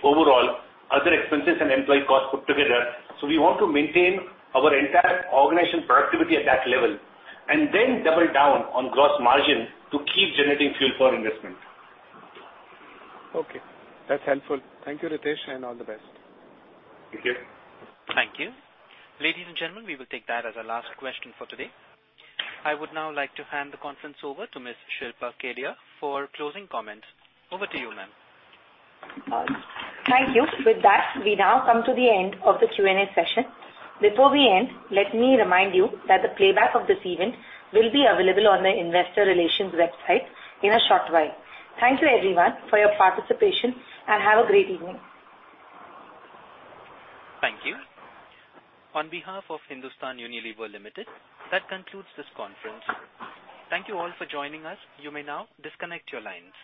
overall, other expenses and employee costs put together. We want to maintain our entire organization productivity at that level and then double down on gross margin to keep generating fuel for investment. Okay, that's helpful. Thank you, Ritesh, and all the best. Thank you. Thank you. Ladies and gentlemen, we will take that as our last question for today. I would now like to hand the conference over to Ms. Shilpa Kedia for closing comments. Over to you, ma'am. Thank you. With that, we now come to the end of the Q&A session. Before we end, let me remind you that the playback of this event will be available on the Investor Relations website in a short while. Thank you, everyone, for your participation, and have a great evening. Thank you. On behalf of Hindustan Unilever Limited, that concludes this conference. Thank you all for joining us. You may now disconnect your lines.